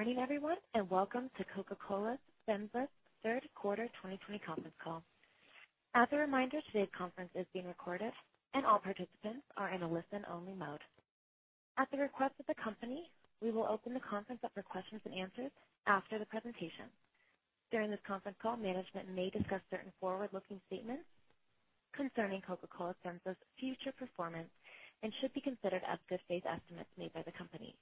Good morning, everyone, and welcome to Coca-Cola FEMSA's third quarter twenty twenty conference call. As a reminder, today's conference is being recorded and all participants are in a listen-only mode. At the request of the company, we will open the conference up for questions and answers after the presentation. During this conference call, management may discuss certain forward-looking statements concerning Coca-Cola FEMSA's future performance and should be considered as good faith estimates made by the company.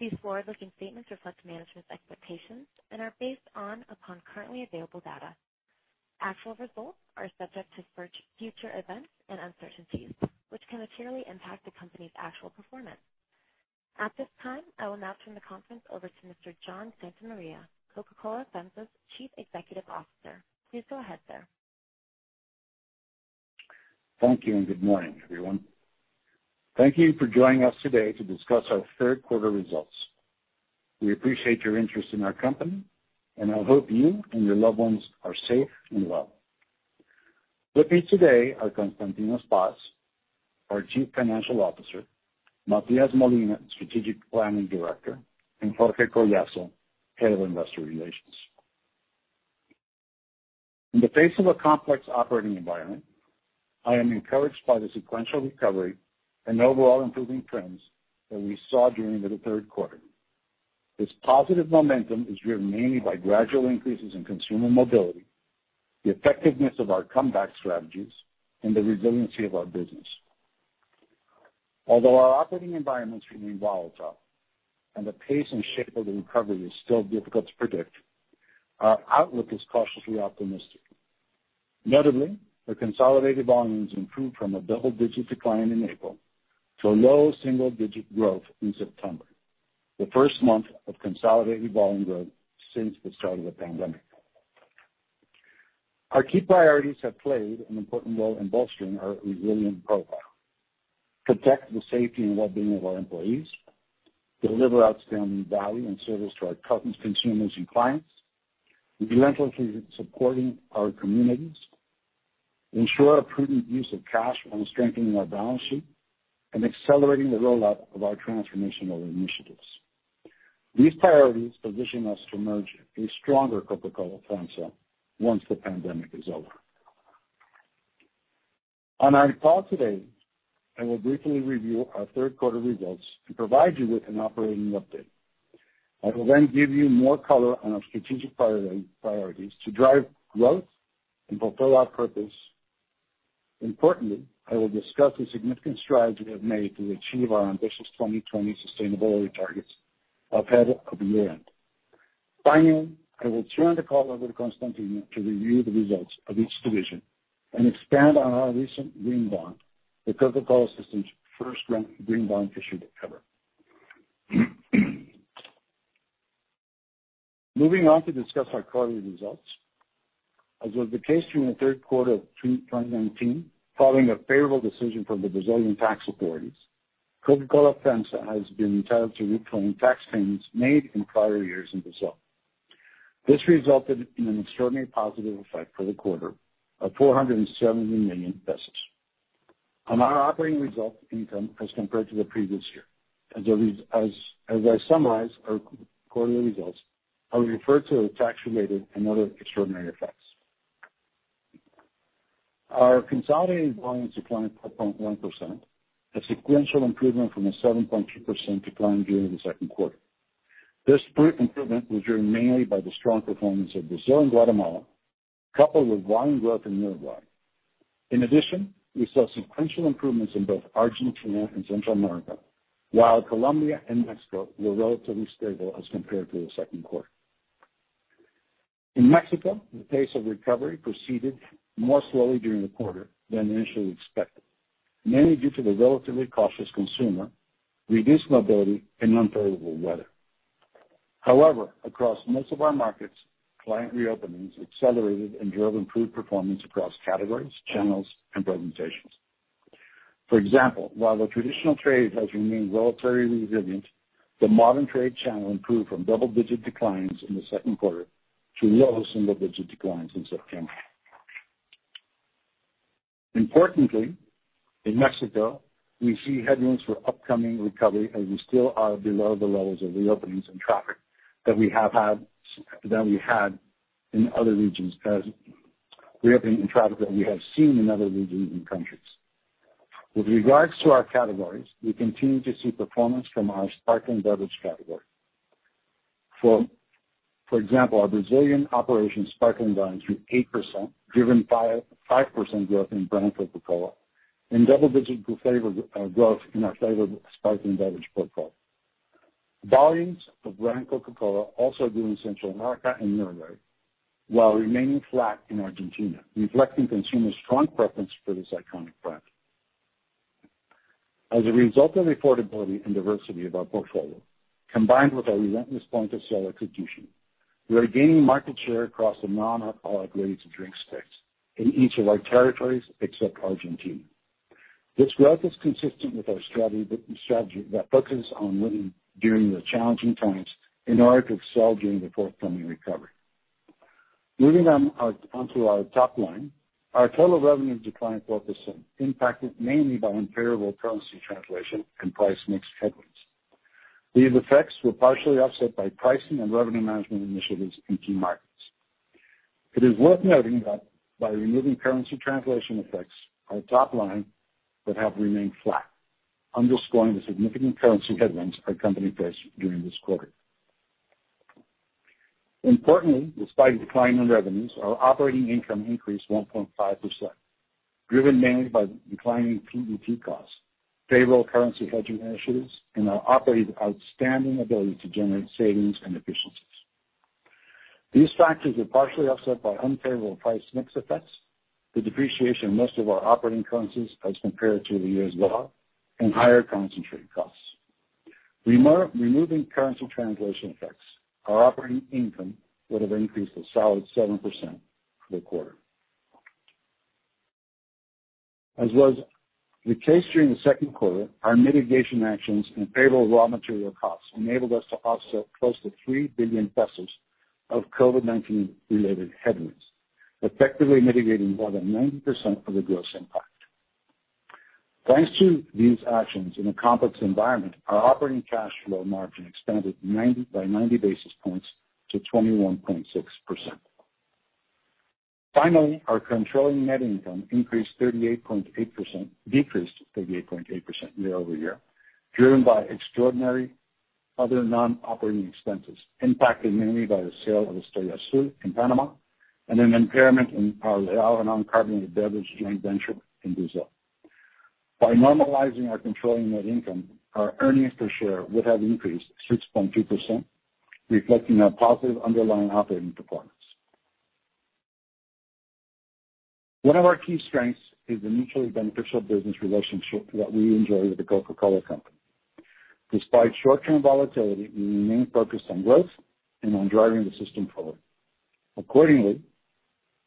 These forward-looking statements reflect management's expectations and are based upon currently available data. Actual results are subject to future events and uncertainties, which can materially impact the company's actual performance. At this time, I will now turn the conference over to Mr. John Santa Maria, Coca-Cola FEMSA's Chief Executive Officer. Please go ahead, sir. Thank you, and good morning, everyone. Thank you for joining us today to discuss our third quarter results. We appreciate your interest in our company, and I hope you and your loved ones are safe and well. With me today are Constantino Spas, our Chief Financial Officer, Matias Molina, Strategic Planning Director, and Jorge Collazo, Head of Investor Relations. In the face of a complex operating environment, I am encouraged by the sequential recovery and overall improving trends that we saw during the third quarter. This positive momentum is driven mainly by gradual increases in consumer mobility, the effectiveness of our comeback strategies, and the resiliency of our business. Although our operating environment remains volatile and the pace and shape of the recovery is still difficult to predict, our outlook is cautiously optimistic. Notably, the consolidated volumes improved from a double-digit decline in April to a low single-digit growth in September, the first month of consolidated volume growth since the start of the pandemic. Our key priorities have played an important role in bolstering our resilient profile: protect the safety and well-being of our employees, deliver outstanding value and service to our customers, consumers, and clients, relentlessly supporting our communities, ensure a prudent use of cash while strengthening our balance sheet, and accelerating the rollout of our transformational initiatives. These priorities position us to emerge a stronger Coca-Cola FEMSA once the pandemic is over. On our call today, I will briefly review our third quarter results and provide you with an operating update. I will then give you more color on our strategic priorities to drive growth and fulfill our purpose. Importantly, I will discuss the significant strides we have made to achieve our ambitious 2020 sustainability targets ahead of the year end. Finally, I will turn the call over to Constantino to review the results of each division and expand on our recent green bond, the Coca-Cola system's first green bond issued ever. Moving on to discuss our quarterly results. As was the case during the third quarter of 2019, following a favorable decision from the Brazilian tax authorities, Coca-Cola FEMSA has been entitled to reclaim tax payments made in prior years in Brazil. This resulted in an extraordinary positive effect for the quarter of 470 million pesos on our operating results income as compared to the previous year. As I summarize our quarterly results, I will refer to the tax-related and other extraordinary effects. Our consolidated volumes declined 4.1%, a sequential improvement from a 7.2% decline during the second quarter. This improvement was driven mainly by the strong performance of Brazil and Guatemala, coupled with volume growth in Uruguay. In addition, we saw sequential improvements in both Argentina and Central America, while Colombia and Mexico were relatively stable as compared to the second quarter. In Mexico, the pace of recovery proceeded more slowly during the quarter than initially expected, mainly due to the relatively cautious consumer, reduced mobility and unfavorable weather. However, across most of our markets, client reopenings accelerated and drove improved performance across categories, channels, and presentations. For example, while the traditional trade has remained relatively resilient, the modern trade channel improved from double-digit declines in the second quarter to low single-digit declines in September. Importantly, in Mexico, we see headwinds for upcoming recovery as we still are below the levels of reopenings and traffic that we have had in other regions as reopening traffic that we have seen in other regions and countries. With regards to our categories, we continue to see performance from our sparkling beverage category. For example, our Brazilian operations sparkling beverages grew 8%, driven by 5% growth in brand Coca-Cola and double-digit flavored growth in our flavored sparkling beverage portfolio. Volumes of brand Coca-Cola also grew in Central America and Uruguay, while remaining flat in Argentina, reflecting consumers' strong preference for this iconic brand. As a result of the affordability and diversity of our portfolio, combined with our relentless point-of-sale execution, we are gaining market share across the non-alcoholic ready-to-drink space in each of our territories, except Argentina. This growth is consistent with our strategy, strategy that focuses on winning during the challenging times in order to excel during the forthcoming recovery... Moving on, on to our top line, our total revenue declined 4%, impacted mainly by unfavorable currency translation and price mix headwinds. These effects were partially offset by pricing and revenue management initiatives in key markets. It is worth noting that by removing currency translation effects, our top line would have remained flat, underscoring the significant currency headwinds our company faced during this quarter. Importantly, despite the decline in revenues, our operating income increased 1.5%, driven mainly by declining PET costs, favorable currency hedging initiatives, and our operating outstanding ability to generate savings and efficiencies. These factors were partially offset by unfavorable price mix effects, the depreciation of most of our operating currencies as compared to the U.S. dollar, and higher concentrate costs. Removing currency translation effects, our operating income would have increased a solid 7% for the quarter. As was the case during the second quarter, our mitigation actions and favorable raw material costs enabled us to offset close to 3 billion of COVID-19 related headwinds, effectively mitigating more than 90% of the gross impact. Thanks to these actions in a complex environment, our operating cash flow margin expanded by 90 basis points to 21.6%. Finally, our controlling net income increased 38.8%—decreased 38.8% year over year, driven by extraordinary other non-operating expenses, impacted mainly by the sale of Estrella Azul in Panama and an impairment in our Leão non-carbonated beverage joint venture in Brazil. By normalizing our controlling net income, our earnings per share would have increased 6.2%, reflecting our positive underlying operating performance. One of our key strengths is the mutually beneficial business relationship that we enjoy with the Coca-Cola Company. Despite short-term volatility, we remain focused on growth and on driving the system forward. Accordingly,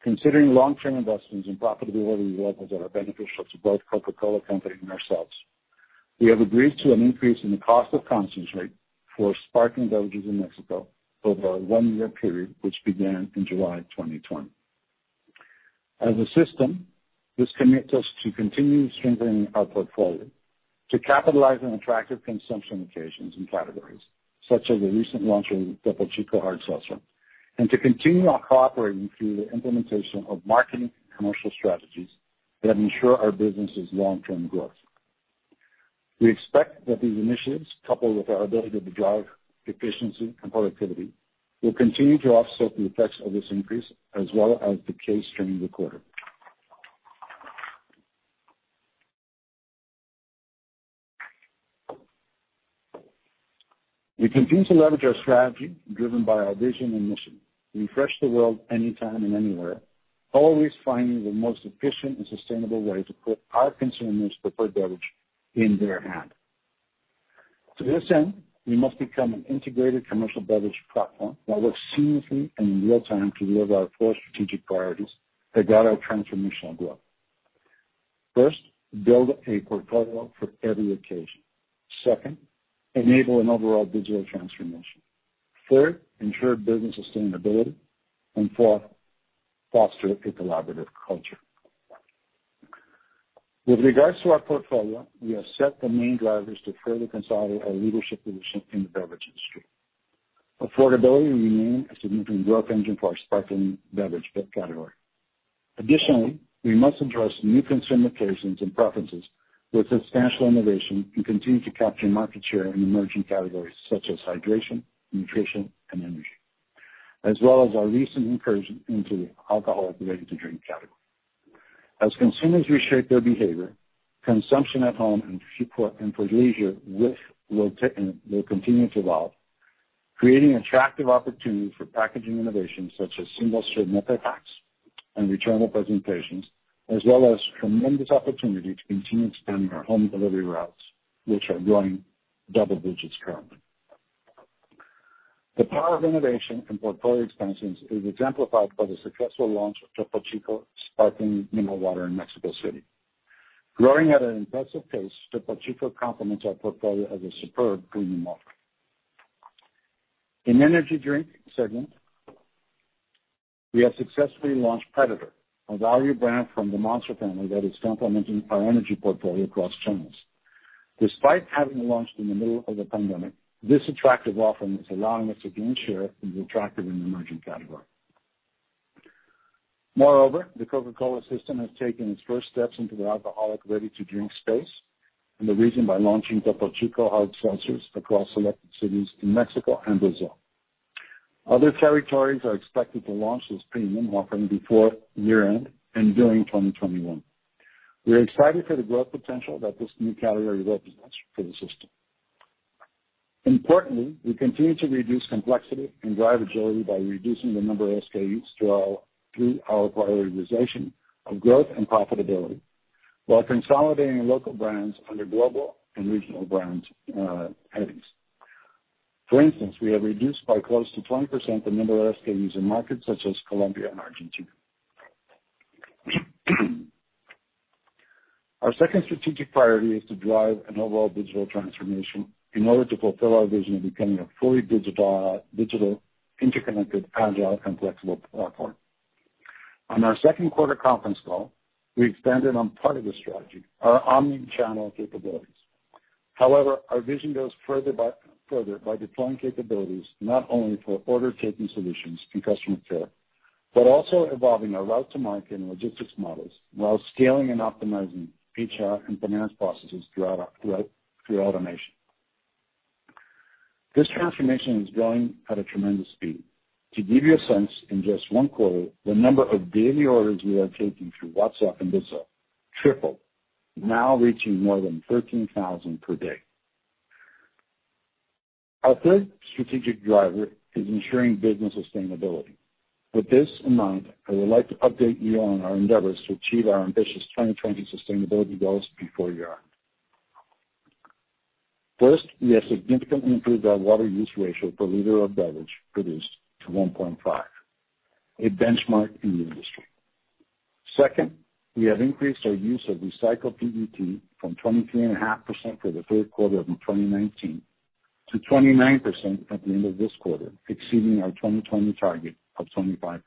considering long-term investments and profitability levels that are beneficial to both Coca-Cola Company and ourselves, we have agreed to an increase in the cost of concentrate for sparkling beverages in Mexico over a one-year period, which began in July 2020. As a system, this commits us to continue strengthening our portfolio, to capitalize on attractive consumption occasions and categories, such as the recent launch of Topo Chico Hard Seltzer, and to continue our cooperation through the implementation of marketing and commercial strategies that ensure our business's long-term growth. We expect that these initiatives, coupled with our ability to drive efficiency and productivity, will continue to offset the effects of this increase as was the case during the quarter. We continue to leverage our strategy, driven by our vision and mission, refresh the world anytime and anywhere, always finding the most efficient and sustainable way to put our consumer's preferred beverage in their hand. To this end, we must become an integrated commercial beverage platform that works seamlessly and in real time to deliver our four strategic priorities that guide our transformational growth. First, build a portfolio for every occasion. Second, enable an overall digital transformation. Third, ensure business sustainability. And fourth, foster a collaborative culture. With regards to our portfolio, we have set the main drivers to further consolidate our leadership position in the beverage industry. Affordability will remain a significant growth engine for our sparkling beverage category. Additionally, we must address new consumer occasions and preferences with substantial innovation and continue to capture market share in emerging categories such as hydration, nutrition, and energy, as well as our recent incursion into the alcoholic ready-to-drink category. As consumers reshape their behavior, consumption at home and for leisure will continue to evolve, creating attractive opportunity for packaging innovations such as single-serve multi-packs and returnable presentations, as well as tremendous opportunity to continue expanding our home delivery routes, which are growing double digits currently. The power of innovation and portfolio expansions is exemplified by the successful launch of Topo Chico Sparkling Mineral Water in Mexico City. Growing at an impressive pace, Topo Chico complements our portfolio as a superb premium offer. In energy drink segment, we have successfully launched Predator, a value brand from the Monster family that is complementing our energy portfolio across channels. Despite having launched in the middle of the pandemic, this attractive offering is allowing us to gain share in the attractive and emerging category. Moreover, the Coca-Cola system has taken its first steps into the alcoholic ready-to-drink space in the region by launching Topo Chico Hard Seltzers across selected cities in Mexico and Brazil. Other territories are expected to launch this premium offering before year-end and during twenty twenty-one. We are excited for the growth potential that this new category represents for the system. Importantly, we continue to reduce complexity and drive agility by reducing the number of SKUs through our prioritization of growth and profitability, while consolidating local brands under global and regional brands, headings. For instance, we have reduced by close to 20% the number of SKUs in markets such as Colombia and Argentina. Our second strategic priority is to drive an overall digital transformation in order to fulfill our vision of becoming a fully digital, interconnected, agile, and flexible platform. On our second quarter conference call, we expanded on part of the strategy, our omnichannel capabilities. However, our vision goes further by deploying capabilities not only for order taking solutions and customer care, but also evolving our route to market and logistics models, while scaling and optimizing HR and finance processes throughout through automation. This transformation is growing at a tremendous speed. To give you a sense, in just one quarter, the number of daily orders we are taking through WhatsApp and Bizzu tripled, now reaching more than 13,000 per day. Our third strategic driver is ensuring business sustainability. With this in mind, I would like to update you on our endeavors to achieve our ambitious 2020 sustainability goals before year. First, we have significantly improved our water use ratio per liter of beverage produced to 1.5, a benchmark in the industry. Second, we have increased our use of recycled PET from 23.5% for the third quarter of 2019 to 29% at the end of this quarter, exceeding our 2020 target of 25%.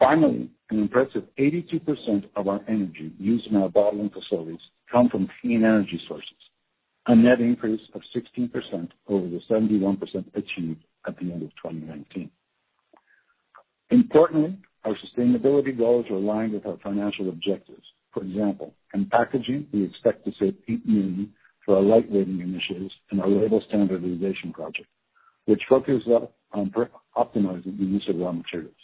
Finally, an impressive 82% of our energy used in our bottling facilities come from clean energy sources, a net increase of 16% over the 71% achieved at the end of 2019. Importantly, our sustainability goals are aligned with our financial objectives. For example, in packaging, we expect to save PET energy through our lightweighting initiatives and our label standardization project, which focus on optimizing the use of raw materials.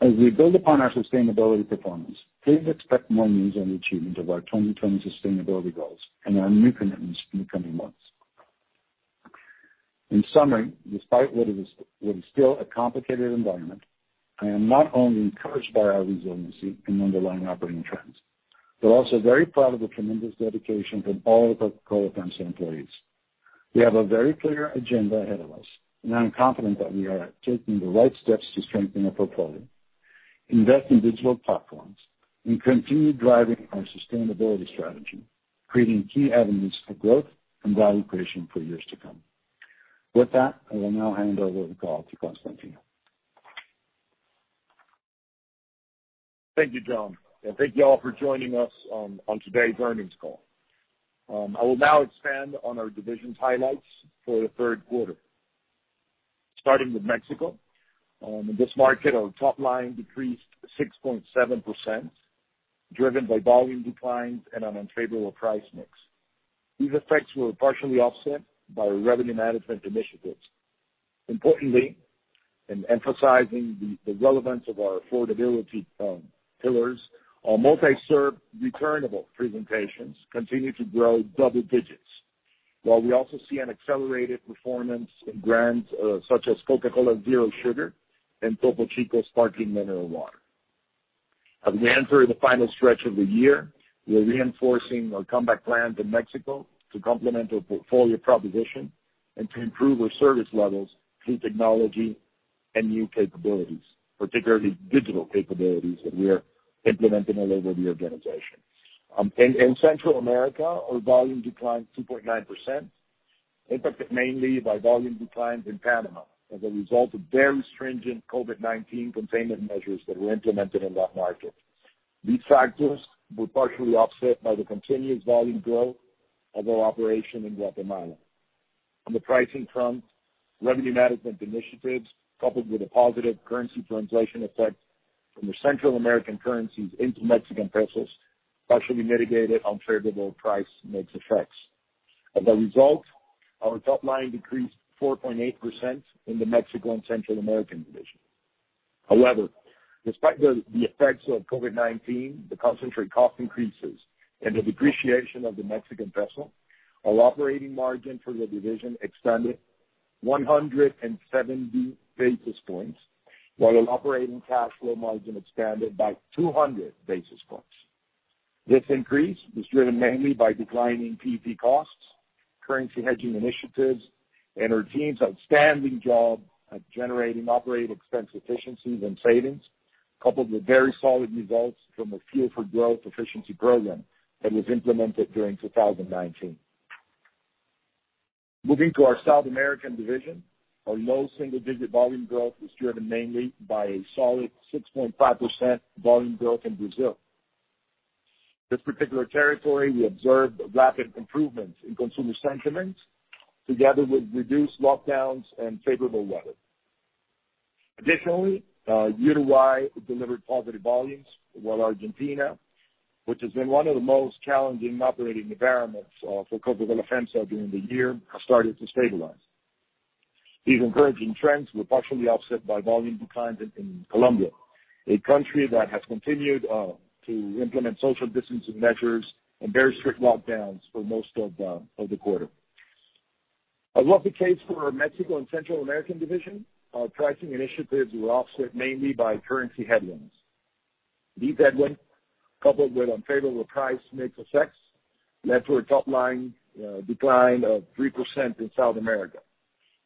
As we build upon our sustainability performance, please expect more news on the achievement of our 2020 sustainability goals and our new commitments in the coming months. In summary, despite what is still a complicated environment, I am not only encouraged by our resiliency and underlying operating trends, but also very proud of the tremendous dedication from all of our Coca-Cola FEMSA employees. We have a very clear agenda ahead of us, and I'm confident that we are taking the right steps to strengthen our portfolio, invest in digital platforms, and continue driving our sustainability strategy, creating key avenues for growth and value creation for years to come. With that, I will now hand over the call to Constantino. Thank you, John, and thank you all for joining us on today's earnings call. I will now expand on our divisions highlights for the third quarter. Starting with Mexico. In this market, our top line decreased 6.7%, driven by volume declines and an unfavorable price mix. These effects were partially offset by revenue management initiatives. Importantly, in emphasizing the relevance of our affordability pillars, our multi-serve returnable presentations continue to grow double digits, while we also see an accelerated performance in brands such as Coca-Cola Zero Sugar and Topo Chico Sparkling Mineral Water. As we enter the final stretch of the year, we are reinforcing our comeback plans in Mexico to complement our portfolio proposition and to improve our service levels through technology and new capabilities, particularly digital capabilities that we are implementing all over the organization. In Central America, our volume declined 2.9%, impacted mainly by volume declines in Panama as a result of very stringent COVID-19 containment measures that were implemented in that market. These factors were partially offset by the continuous volume growth of our operation in Guatemala. On the pricing front, revenue management initiatives, coupled with a positive currency translation effect from the Central American currencies into Mexican pesos, partially mitigated unfavorable price mix effects. As a result, our top line decreased 4.8% in the Mexico and Central American division. However, despite the effects of COVID-19, the concentrate cost increases and the depreciation of the Mexican peso, our operating margin for the division expanded 170 basis points, while our operating cash flow margin expanded by 200 basis points. This increase was driven mainly by declining PET costs, currency hedging initiatives, and our team's outstanding job at generating operating expense efficiencies and savings, coupled with very solid results from a Fuel for Growth efficiency program that was implemented during 2019. Moving to our South American division, our low single digit volume growth was driven mainly by a solid 6.5% volume growth in Brazil. This particular territory, we observed rapid improvements in consumer sentiments, together with reduced lockdowns and favorable weather. Additionally, Uruguay delivered positive volumes, while Argentina, which has been one of the most challenging operating environments for Coca-Cola FEMSA during the year, have started to stabilize. These encouraging trends were partially offset by volume declines in Colombia, a country that has continued to implement social distancing measures and very strict lockdowns for most of the quarter. As was the case for our Mexico and Central America division, our pricing initiatives were offset mainly by currency headwinds. These headwinds, coupled with unfavorable price mix effects, led to a top line decline of 3% in South America,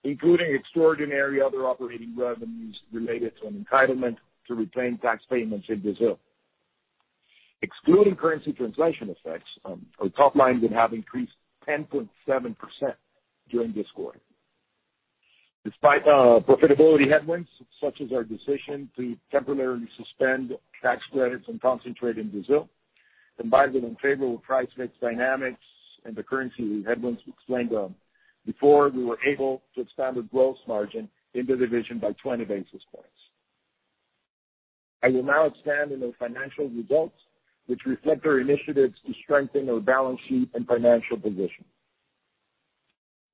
including extraordinary other operating revenues related to an entitlement to retain tax payments in Brazil. Excluding currency translation effects, our top line would have increased 10.7% during this quarter. Despite profitability headwinds, such as our decision to temporarily suspend tax credits and concentrate in Brazil, combined with unfavorable price mix dynamics and the currency headwinds we explained before, we were able to expand the gross margin in the division by twenty basis points. I will now expand on our financial results, which reflect our initiatives to strengthen our balance sheet and financial position.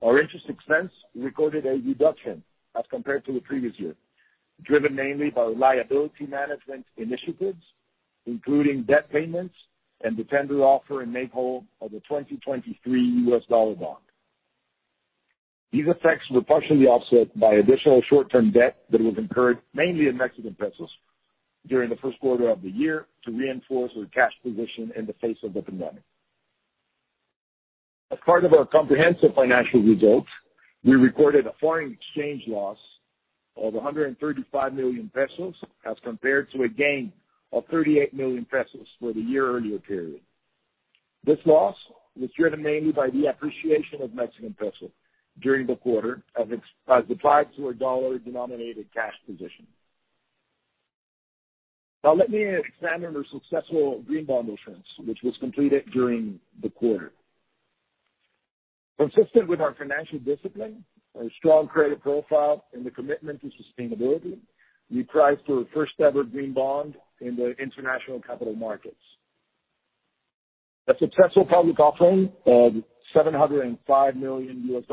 Our interest expense recorded a reduction as compared to the previous year, driven mainly by liability management initiatives, including debt payments and the tender offer and make whole of the 2023 US dollar bond. These effects were partially offset by additional short-term debt that was incurred mainly in Mexican pesos during the first quarter of the year to reinforce our cash position in the face of the pandemic. As part of our comprehensive financial results, we recorded a foreign exchange loss of 135 million pesos, as compared to a gain of 38 million pesos for the year earlier period. This loss was driven mainly by the appreciation of Mexican peso during the quarter as applied to our dollar-denominated cash position. Now let me expand on our successful green bond issuance, which was completed during the quarter. Consistent with our financial discipline, our strong credit profile, and the commitment to sustainability, we priced our first-ever green bond in the international capital markets. A successful public offering of $705 million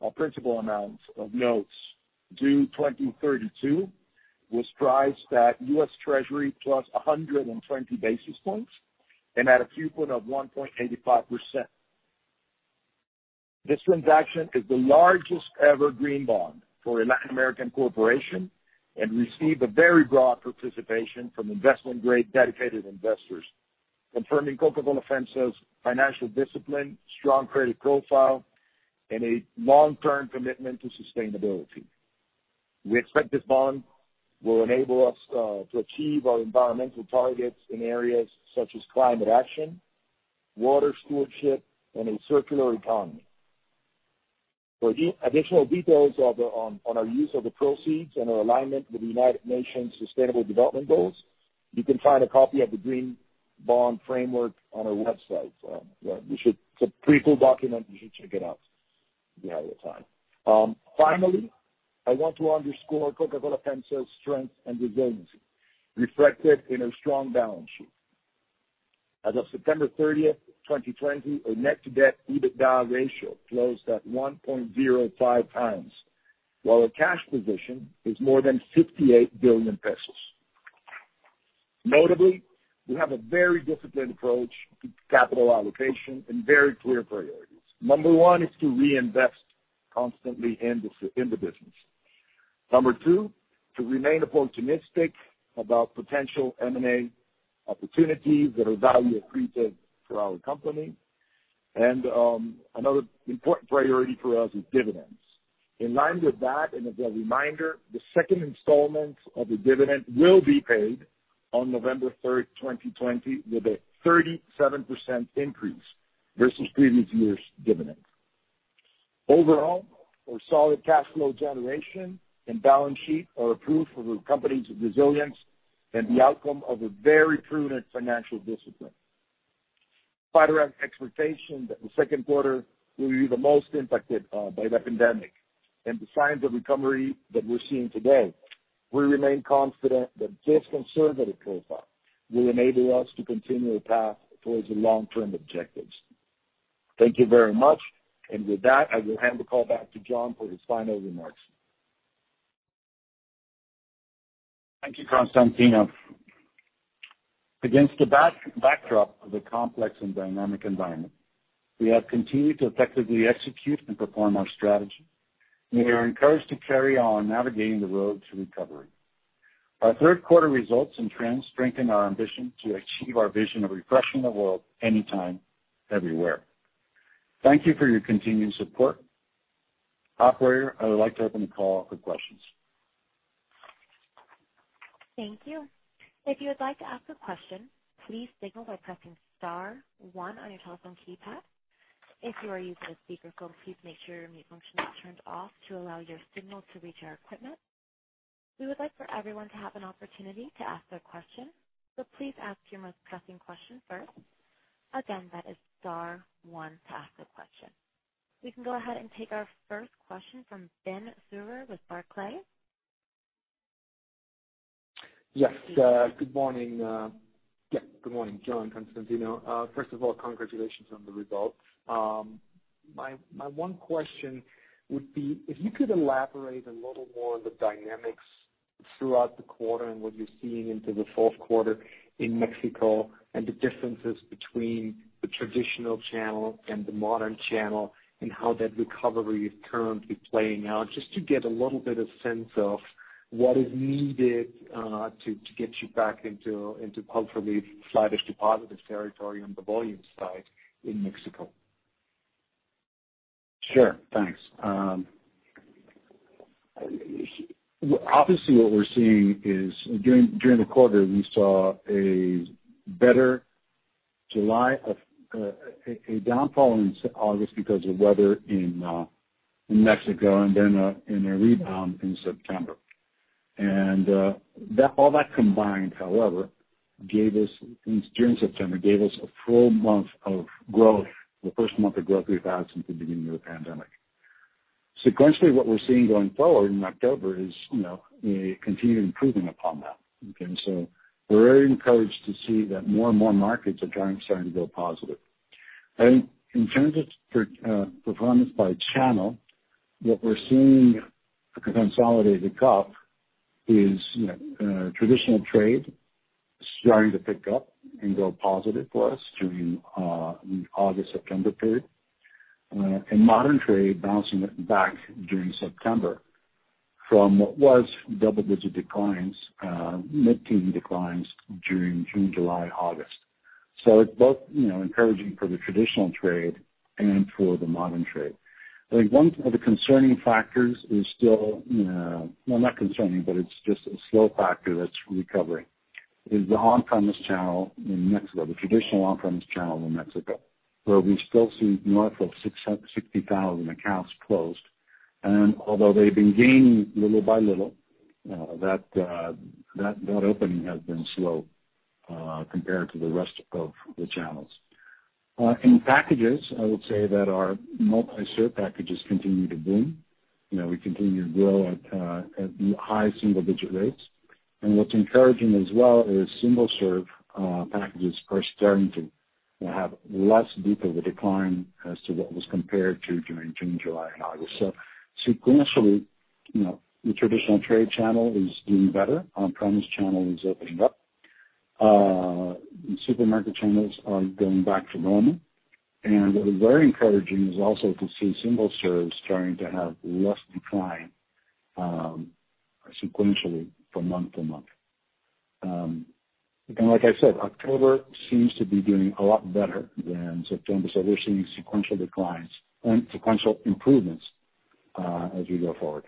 of principal amounts of notes due 2032 was priced at U.S. Treasury plus 120 basis points and at a coupon of 1.85%. This transaction is the largest ever green bond for a Latin American corporation and received a very broad participation from investment-grade dedicated investors, confirming Coca-Cola FEMSA's financial discipline, strong credit profile, and a long-term commitment to sustainability. We expect this bond will enable us to achieve our environmental targets in areas such as climate action, water stewardship, and a circular economy. For additional details of the... On our use of the proceeds and our alignment with the United Nations Sustainable Development Goals, you can find a copy of the green bond framework on our website. You should, it's a pretty cool document, you should check it out if you have the time. Finally, I want to underscore Coca-Cola FEMSA's strength and resiliency, reflected in a strong balance sheet. As of September thirtieth, 2020, our net debt EBITDA ratio closed at one point zero five times, while our cash position is more than 58 billion pesos. Notably, we have a very disciplined approach to capital allocation and very clear priorities. Number one is to reinvest constantly in the business. Number two, to remain opportunistic about potential M&A opportunities that are value accretive for our company. Another important priority for us is dividends. In line with that, and as a reminder, the second installment of the dividend will be paid on November third, 2020, with a 37% increase versus previous year's dividend. Overall, our solid cash flow generation and balance sheet are a proof of the company's resilience and the outcome of a very prudent financial discipline. Despite our expectation that the second quarter will be the most impacted by the pandemic and the signs of recovery that we're seeing today, we remain confident that this conservative profile will enable us to continue the path towards the long-term objectives. Thank you very much. And with that, I will hand the call back to John for his final remarks. Thank you, Constantino. Against the backdrop of the complex and dynamic environment, we have continued to effectively execute and perform our strategy, and we are encouraged to carry on navigating the road to recovery. Our third quarter results and trends strengthen our ambition to achieve our vision of refreshing the world anytime, everywhere. Thank you for your continued support. Operator, I would like to open the call for questions. Thank you. If you would like to ask a question, please signal by pressing star one on your telephone keypad. If you are using a speakerphone, please make sure your mute function is turned off to allow your signal to reach our equipment. We would like for everyone to have an opportunity to ask their question, so please ask your most pressing question first. Again, that is star one to ask a question. We can go ahead and take our first question from Ben Theurer with Barclays. Yes, good morning. Yeah, good morning, John, Constantino. First of all, congratulations on the results. My, my one question would be if you could elaborate a little more on the dynamics throughout the quarter and what you're seeing into the fourth quarter in Mexico, and the differences between the traditional channel and the modern channel, and how that recovery is currently playing out. Just to get a little bit of sense of what is needed to get you back into actually flattish to positive territory on the volume side in Mexico? Sure. Thanks. Obviously, what we're seeing is, during the quarter, we saw a better July of a downfall in August because of weather in Mexico, and then a rebound in September. All that combined, however, gave us during September a full month of growth, the first month of growth we've had since the beginning of the pandemic. Sequentially, what we're seeing going forward in October is, you know, a continued improving upon that. Okay, so we're very encouraged to see that more and more markets are starting to go positive. I think in terms of performance by channel, what we're seeing consolidated up is, you know, traditional trade starting to pick up and go positive for us during the August-September period. And modern trade bouncing back during September from what was double-digit declines, mid-teen declines during June, July, August. So it's both, you know, encouraging for the traditional trade and for the modern trade. I think one of the concerning factors is still, well, not concerning, but it's just a slow factor that's recovering, is the on-premise channel in Mexico, the traditional on-premise channel in Mexico, where we still see north of 60,000 accounts closed. And although they've been gaining little by little, that opening has been slow, compared to the rest of the channels. In packages, I would say that our multi-serve packages continue to boom. You know, we continue to grow at high single digit rates. What's encouraging as well is single-serve packages are starting to, you know, have less deeper of a decline as to what was compared to during June, July, and August. So sequentially, you know, the traditional trade channel is doing better, on-premise channel is opening up. Supermarket channels are going back to normal. And what is very encouraging is also to see single serves starting to have less decline, sequentially from month to month. And like I said, October seems to be doing a lot better than September. So we're seeing sequential declines and sequential improvements, as we go forward.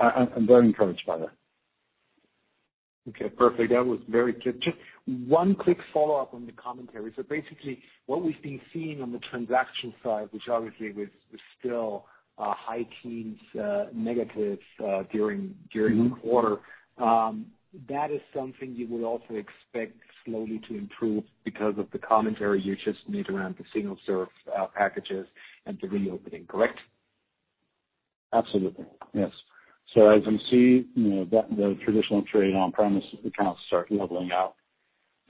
I'm very encouraged by that. Okay, perfect. That was very clear. Just one quick follow-up on the commentary. So basically, what we've been seeing on the transaction side, which obviously was still high teens negatives during the quarter. That is something you would also expect slowly to improve because of the commentary you just made around the single-serve packages and the reopening, correct? Absolutely. Yes. So as you see, you know, that the traditional trade on-premise accounts start leveling out,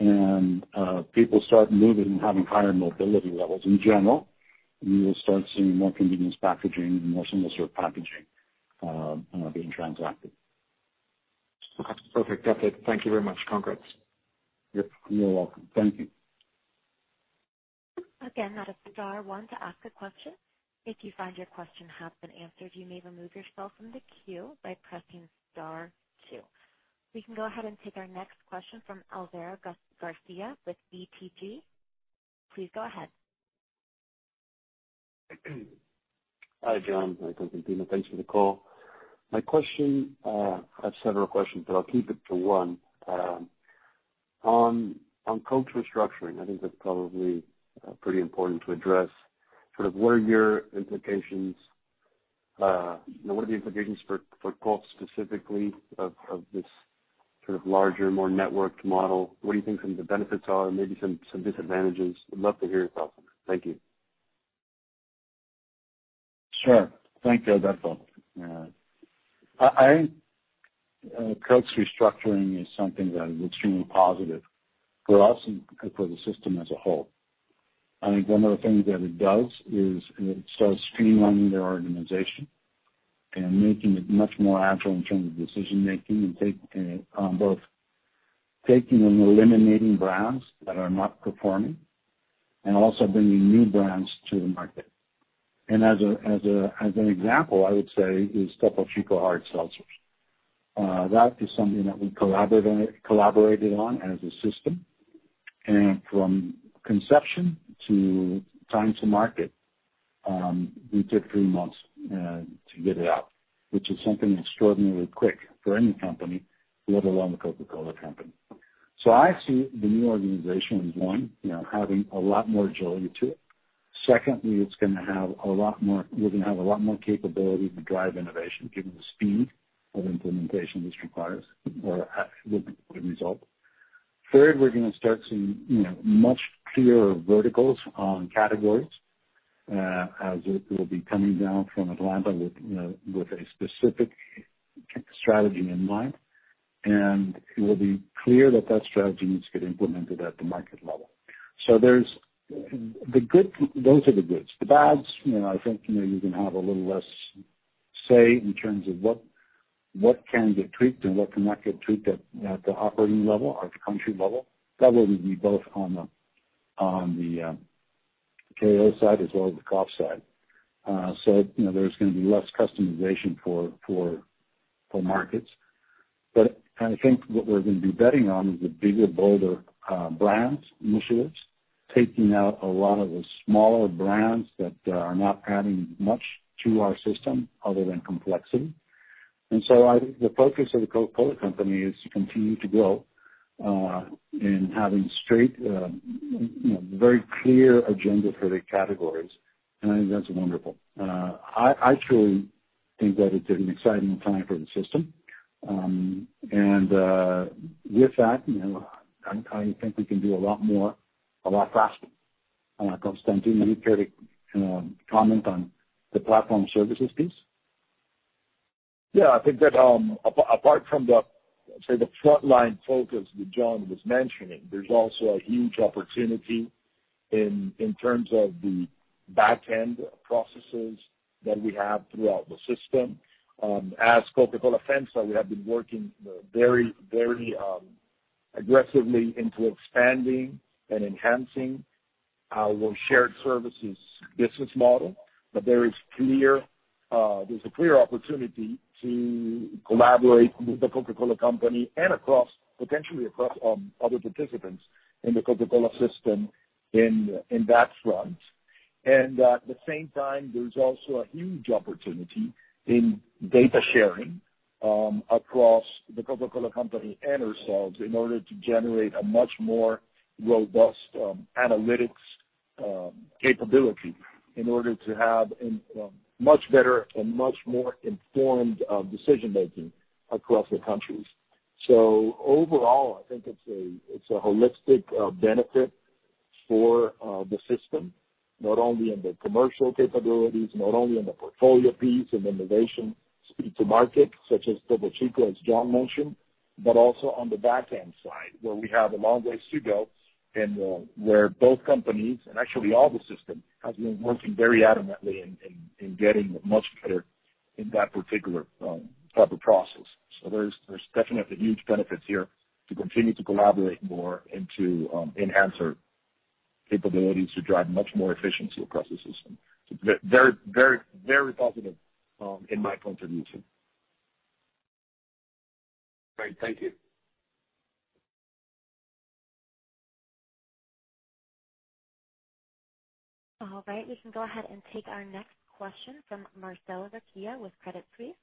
and people start moving and having higher mobility levels in general, we will start seeing more convenience packaging and more single-serve packaging being transacted. Okay, perfect. That's it. Thank you very much. Congrats. Yep. You're welcome. Thank you. Again, that is star one to ask a question. If you find your question has been answered, you may remove yourself from the queue by pressing star two. We can go ahead and take our next question from Álvaro García with BTG. Please go ahead. Hi, John. Hi, Constantino. Thanks for the call. My question, I have several questions, but I'll keep it to one. On Coke restructuring, I think that's probably pretty important to address. You know, what are the implications for Coke specifically, of this sort of larger, more networked model? What do you think some of the benefits are and maybe some disadvantages? I'd love to hear your thoughts on it. Thank you. Sure. Thank you, Alberto. Coke's restructuring is something that is extremely positive for us and for the system as a whole. I think one of the things that it does is it starts streamlining their organization and making it much more agile in terms of decision making and taking on both taking and eliminating brands that are not performing and also bringing new brands to the market. And as an example, I would say is Topo Chico Hard Seltzers. That is something that we collaborated on as a system. And from conception to time to market, we took three months to get it out, which is something extraordinarily quick for any company, let alone the Coca-Cola Company. So I see the new organization as, one, you know, having a lot more agility to it. Secondly, it's gonna have a lot more, we're gonna have a lot more capability to drive innovation, given the speed of implementation this requires or, with the result. Third, we're gonna start seeing, you know, much clearer verticals on categories, as it will be coming down from Atlanta with a specific strategy in mind. And it will be clear that that strategy needs to get implemented at the market level. So there's the good, those are the goods. The bads, you know, I think, you know, you're gonna have a little less say in terms of what can get tweaked and what cannot get tweaked at the operating level or the country level. That will be both on the KO side as well as the Koff side. So, you know, there's gonna be less customization for markets. But I think what we're gonna be betting on is the bigger, bolder brands initiatives, taking out a lot of the smaller brands that are not adding much to our system other than complexity. And so I, the focus of the Coca-Cola Company is to continue to grow in having straight, you know, very clear agenda for the categories, and I think that's wonderful. I truly think that it's an exciting time for the system. And with that, you know, I think we can do a lot more, a lot faster. Constantino, would you care to comment on the platform services piece? Yeah, I think that, apart from the, say, the frontline focus that John was mentioning, there's also a huge opportunity in, in terms of the back end processes that we have throughout the system. As Coca-Cola FEMSA, we have been working very, very, aggressively into expanding and enhancing our shared services business model. But there's a clear opportunity to collaborate with the Coca-Cola Company and across, potentially across, other participants in the Coca-Cola system in, in that front. And at the same time, there's also a huge opportunity in data sharing, across the Coca-Cola Company and ourselves, in order to generate a much more robust, analytics, capability, in order to have in, much better and much more informed, decision making across the countries. So overall, I think it's a holistic benefit for the system, not only in the commercial capabilities, not only in the portfolio piece and innovation, speed to market, such as Topo Chico, as John mentioned, but also on the back end side, where we have a long ways to go, and where both companies, and actually all the system, has been working very adamantly in getting much better in that particular type of process. So there's definitely huge benefits here to continue to collaborate more and to enhance our capabilities to drive much more efficiency across the system. Very, very, very positive in my point of view, too. Great. Thank you. All right, we can go ahead and take our next question from Marcella Recchia with Credit Suisse.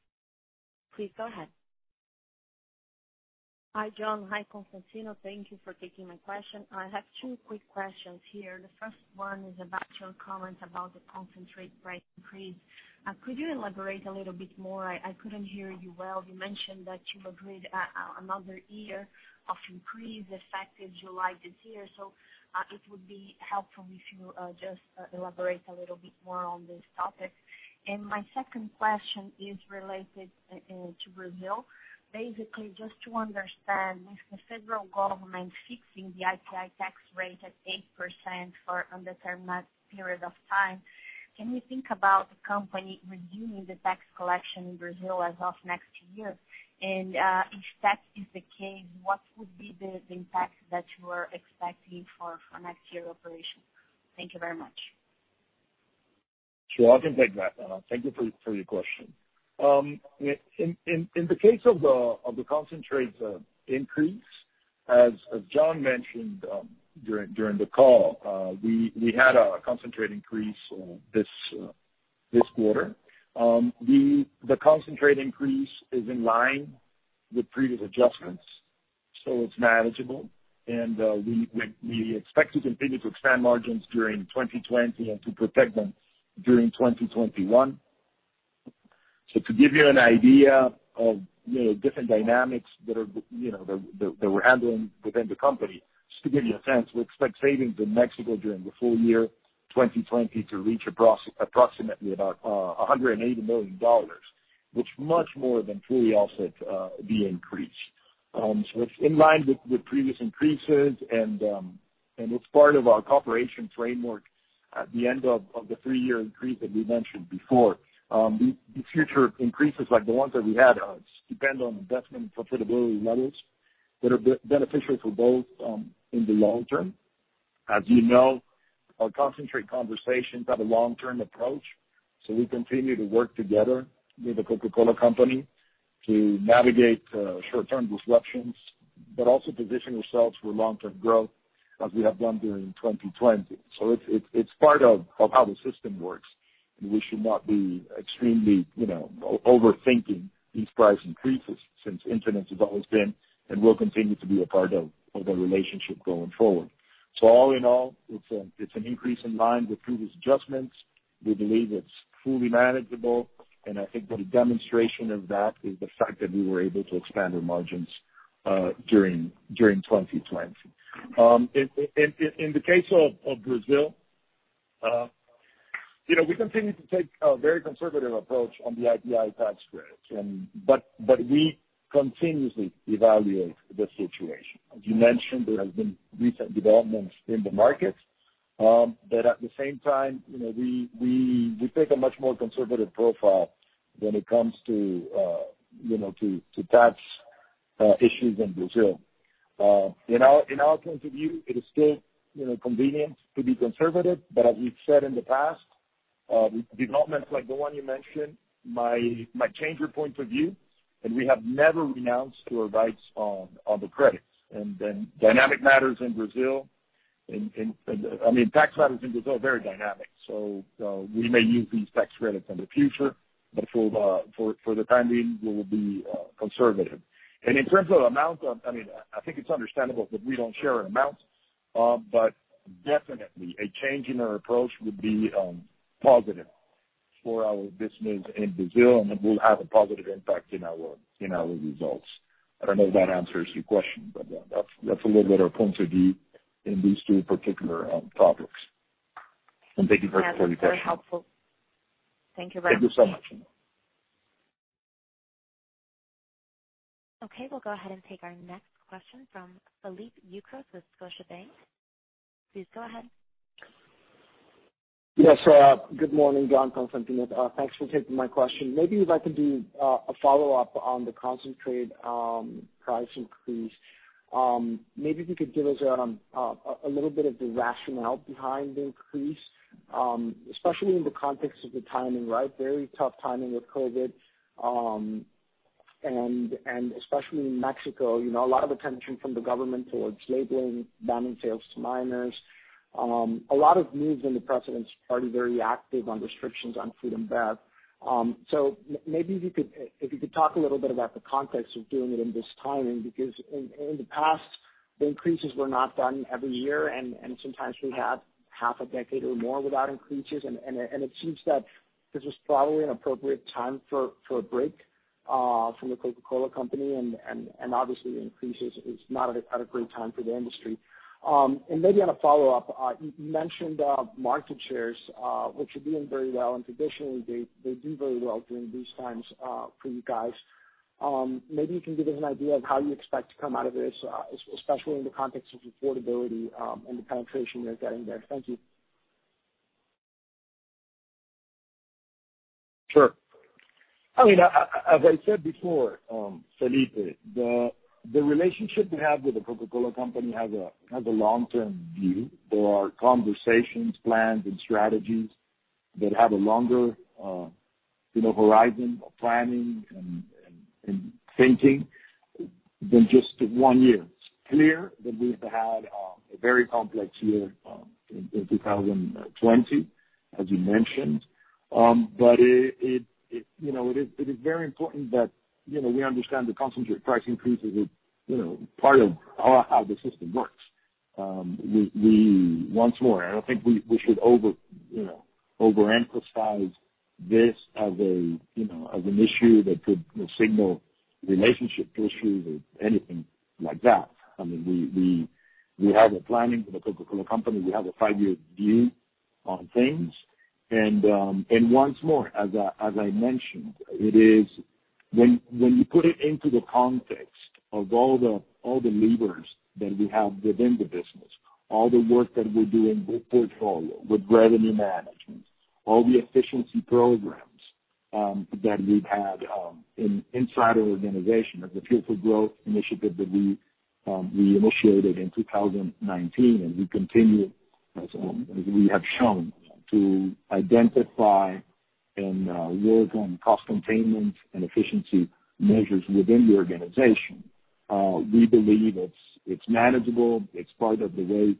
Please go ahead. Hi, John. Hi, Constantino. Thank you for taking my question. I have two quick questions here. The first one is about your comment about the concentrate price increase. Could you elaborate a little bit more? I couldn't hear you well. You mentioned that you've agreed another year of increase, effective July this year. So, it would be helpful if you just elaborate a little bit more on this topic. And my second question is related to Brazil. Basically, just to understand, with the federal government fixing the IPI tax rate at 8% for undetermined period of time, can you think about the company reviewing the tax collection in Brazil as of next year? And if that is the case, what would be the impact that you are expecting for next year operations? Thank you very much. Sure, I can take that. And thank you for your question. In the case of the concentrate increase, as John mentioned, during the call, we had a concentrate increase this quarter. The concentrate increase is in line with previous adjustments, so it's manageable. And we expect to continue to expand margins during 2020 and to protect them during 2021. So to give you an idea of, you know, different dynamics that are, you know, that we're handling within the company, just to give you a sense, we expect savings in Mexico during the full year 2020 to reach approximately about $180 million, which is much more than fully offset the increase. So it's in line with previous increases, and it's part of our cooperation framework at the end of the three-year increase that we mentioned before. The future increases, like the ones that we had, depend on investment and profitability levels that are beneficial for both in the long term. As you know, our concentrate conversations have a long-term approach, so we continue to work together with the Coca-Cola Company to navigate short-term disruptions, but also position ourselves for long-term growth as we have done during 2020. So it's part of how the system works, and we should not be extremely, you know, overthinking these price increases, since incidence has always been and will continue to be a part of our relationship going forward. All in all, it's an increase in line with previous adjustments. We believe it's fully manageable, and I think that a demonstration of that is the fact that we were able to expand our margins during 2020. In the case of Brazil, you know, we continue to take a very conservative approach on the IPI tax credit. But we continuously evaluate the situation. As you mentioned, there has been recent developments in the market. But at the same time, you know, we take a much more conservative profile when it comes to tax issues in Brazil. In our point of view, it is still, you know, convenient to be conservative, but as we've said in the past, developments like the one you mentioned might change our point of view, and we have never renounced our rights on the credits, and then dynamic matters in Brazil, I mean, tax matters in Brazil are very dynamic, so we may use these tax credits in the future, but for the time being, we will be conservative, and in terms of amount, I mean, I think it's understandable that we don't share an amount, but definitely a change in our approach would be positive for our business in Brazil, and it will have a positive impact in our results. I don't know if that answers your question, but that's a little bit our point of view in these two particular topics. And thank you for the question. Very helpful. Thank you very much. Thank you so much. Okay, we'll go ahead and take our next question from Felipe Ucros with Scotiabank. Please go ahead. Yes, good morning, John Constantino. Thanks for taking my question. Maybe if I could do a follow-up on the concentrate price increase. Maybe if you could give us a little bit of the rationale behind the increase, especially in the context of the timing, right? Very tough timing with COVID, and especially in Mexico, you know, a lot of attention from the government towards labeling, banning sales to minors. A lot of moves in the presidents are very active on restrictions on food and bev. So maybe if you could talk a little bit about the context of doing it in this timing, because in the past, the increases were not done every year, and sometimes we had half a decade or more without increases. It seems that this was probably an appropriate time for a break from the Coca-Cola Company, and obviously increases is not at a great time for the industry. Maybe on a follow-up, you mentioned market shares, which are doing very well, and traditionally they do very well during these times for you guys. Maybe you can give us an idea of how you expect to come out of this, especially in the context of affordability, and the penetration you're getting there. Thank you. Sure. I mean, as I said before, Felipe, the relationship we have with the Coca-Cola Company has a long-term view. There are conversations, plans, and strategies that have a longer, you know, horizon of planning and thinking than just one year. It's clear that we've had a very complex year in two thousand twenty, as you mentioned. But it, you know, it is very important that, you know, we understand the concentrate price increases is, you know, part of how the system works. We once more, I don't think we should overemphasize this as a, you know, as an issue that could signal relationship issues or anything like that. I mean, we have a planning with the Coca-Cola Company. We have a five-year view on things. Once more, as I mentioned, it is when you put it into the context of all the levers that we have within the business, all the work that we do in the portfolio with revenue management, all the efficiency programs that we've had inside our organization, like the Fuel for Growth initiative that we initiated in 2019, and we continue, as we have shown, to identify and work on cost containment and efficiency measures within the organization. We believe it's manageable. It's part of the way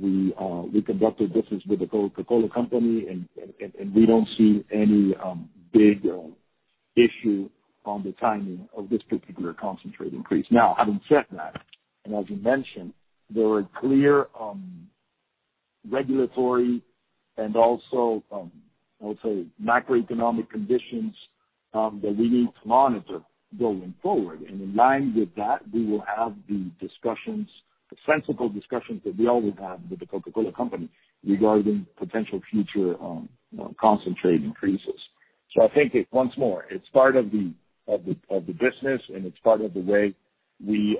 we conduct our business with the Coca-Cola Company, and we don't see any big issue on the timing of this particular concentrate increase. Now, having said that, and as you mentioned, there are clear, regulatory and also, I would say, macroeconomic conditions, that we need to monitor going forward. And in line with that, we will have the discussions, the sensible discussions that we always have with the Coca-Cola Company regarding potential future, concentrate increases. So I think, once more, it's part of the business, and it's part of the way we,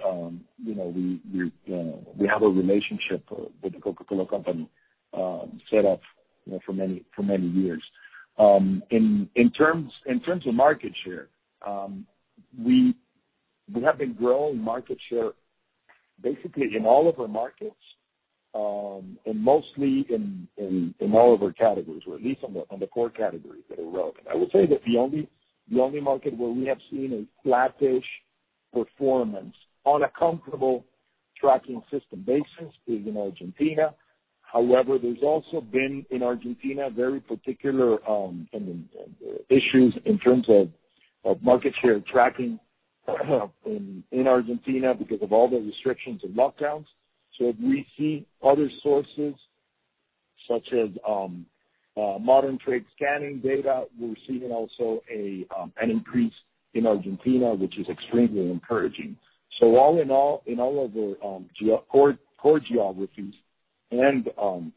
you know, we have a relationship with the Coca-Cola Company, set up, you know, for many years. In terms of market share, we have been growing market share basically in all of our markets, and mostly in all of our categories, or at least on the core categories that are relevant. I would say that the only market where we have seen a flattish performance on a conventional tracking system basis is in Argentina. However, there's also been in Argentina very particular issues in terms of market share tracking in Argentina because of all the restrictions and lockdowns. So we see other sources, such as modern trade scanning data. We're seeing also an increase in Argentina, which is extremely encouraging. So all in all, in all of our core geographies and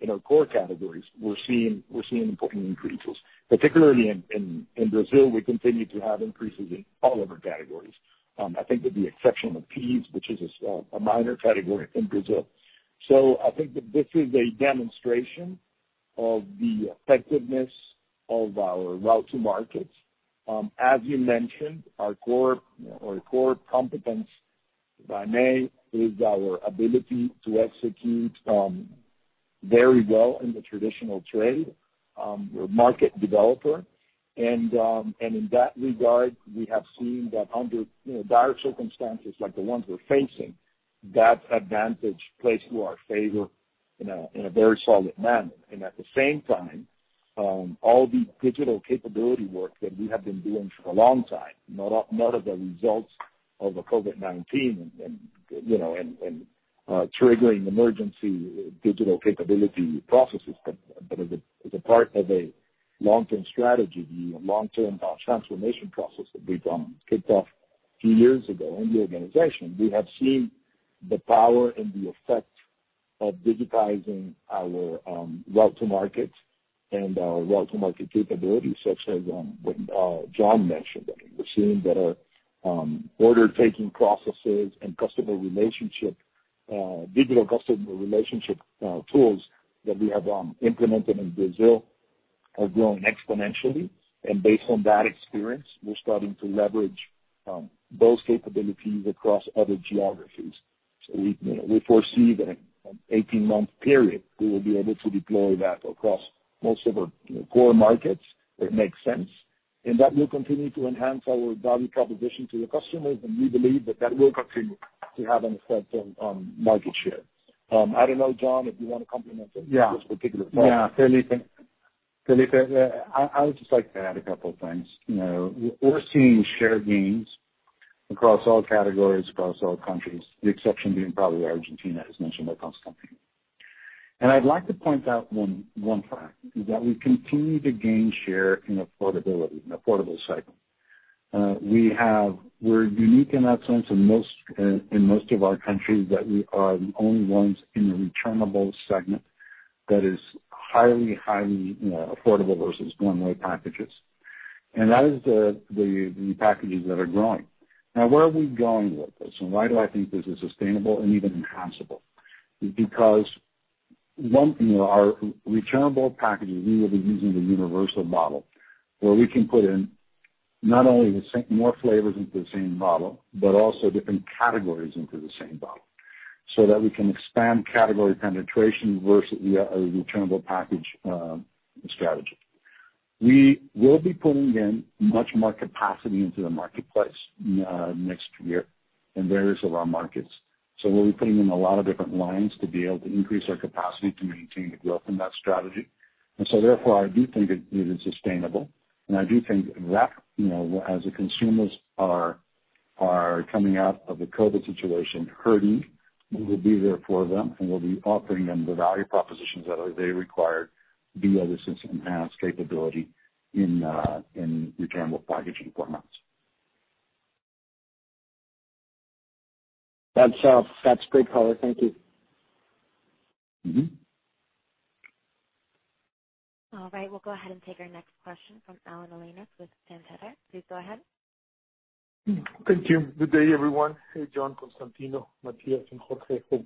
in our core categories, we're seeing important increases. Particularly in Brazil, we continue to have increases in all of our categories, I think with the exception of bulk, which is such a minor category in Brazil. So I think that this is a demonstration-... of the effectiveness of our route to markets. As you mentioned, our core, our core competence, FEMSA, is our ability to execute very well in the traditional trade. We're a market developer. And in that regard, we have seen that under, you know, dire circumstances like the ones we're facing, that advantage plays to our favor in a very solid manner. And at the same time, all the digital capability work that we have been doing for a long time, not as a result of the COVID-19 and, you know, triggering emergency digital capability processes, but as a part of a long-term strategy, the long-term transformation process that we kicked off a few years ago in the organization. We have seen the power and the effect of digitizing our route to market and our route to market capabilities, such as what John mentioned. We're seeing that our order taking processes and digital customer relationship tools that we have implemented in Brazil are growing exponentially. Based on that experience, we're starting to leverage those capabilities across other geographies. We, you know, foresee that in an eighteen-month period, we will be able to deploy that across most of our, you know, core markets. It makes sense, and that will continue to enhance our value proposition to the customers, and we believe that that will continue to have an effect on market share. I don't know, John, if you want to comment on- Yeah. this particular point. Yeah, Felipe, I would just like to add a couple of things. You know, we're seeing share gains across all categories, across all countries, the exception being probably Argentina, as mentioned by Constantino. And I'd like to point out one fact, is that we continue to gain share in affordability, in affordable cycle. We're unique in that sense in most of our countries, that we are the only ones in the returnable segment that is highly, you know, affordable versus one-way packages. And that is the packages that are growing. Now, where are we going with this, and why do I think this is sustainable and even enhanceable? Because one, you know, our returnable packages, we will be using the universal model, where we can put in not only the same, more flavors into the same bottle, but also different categories into the same bottle, so that we can expand category penetration versus the returnable package strategy. We will be putting in much more capacity into the marketplace next year in various of our markets. So we'll be putting in a lot of different lines to be able to increase our capacity to maintain the growth in that strategy. And so therefore, I do think it is sustainable. I do think that, you know, as the consumers are coming out of the COVID situation hurting, we will be there for them, and we'll be offering them the value propositions that are they require via this enhanced capability in returnable packaging formats. That's, that's great, Tyler. Thank you. Mm-hmm. All right, we'll go ahead and take our next question from Alan Elias with Santander. Please go ahead. Thank you. Good day, everyone. Hey, John, Constantino, Matias, and Jorge. Hope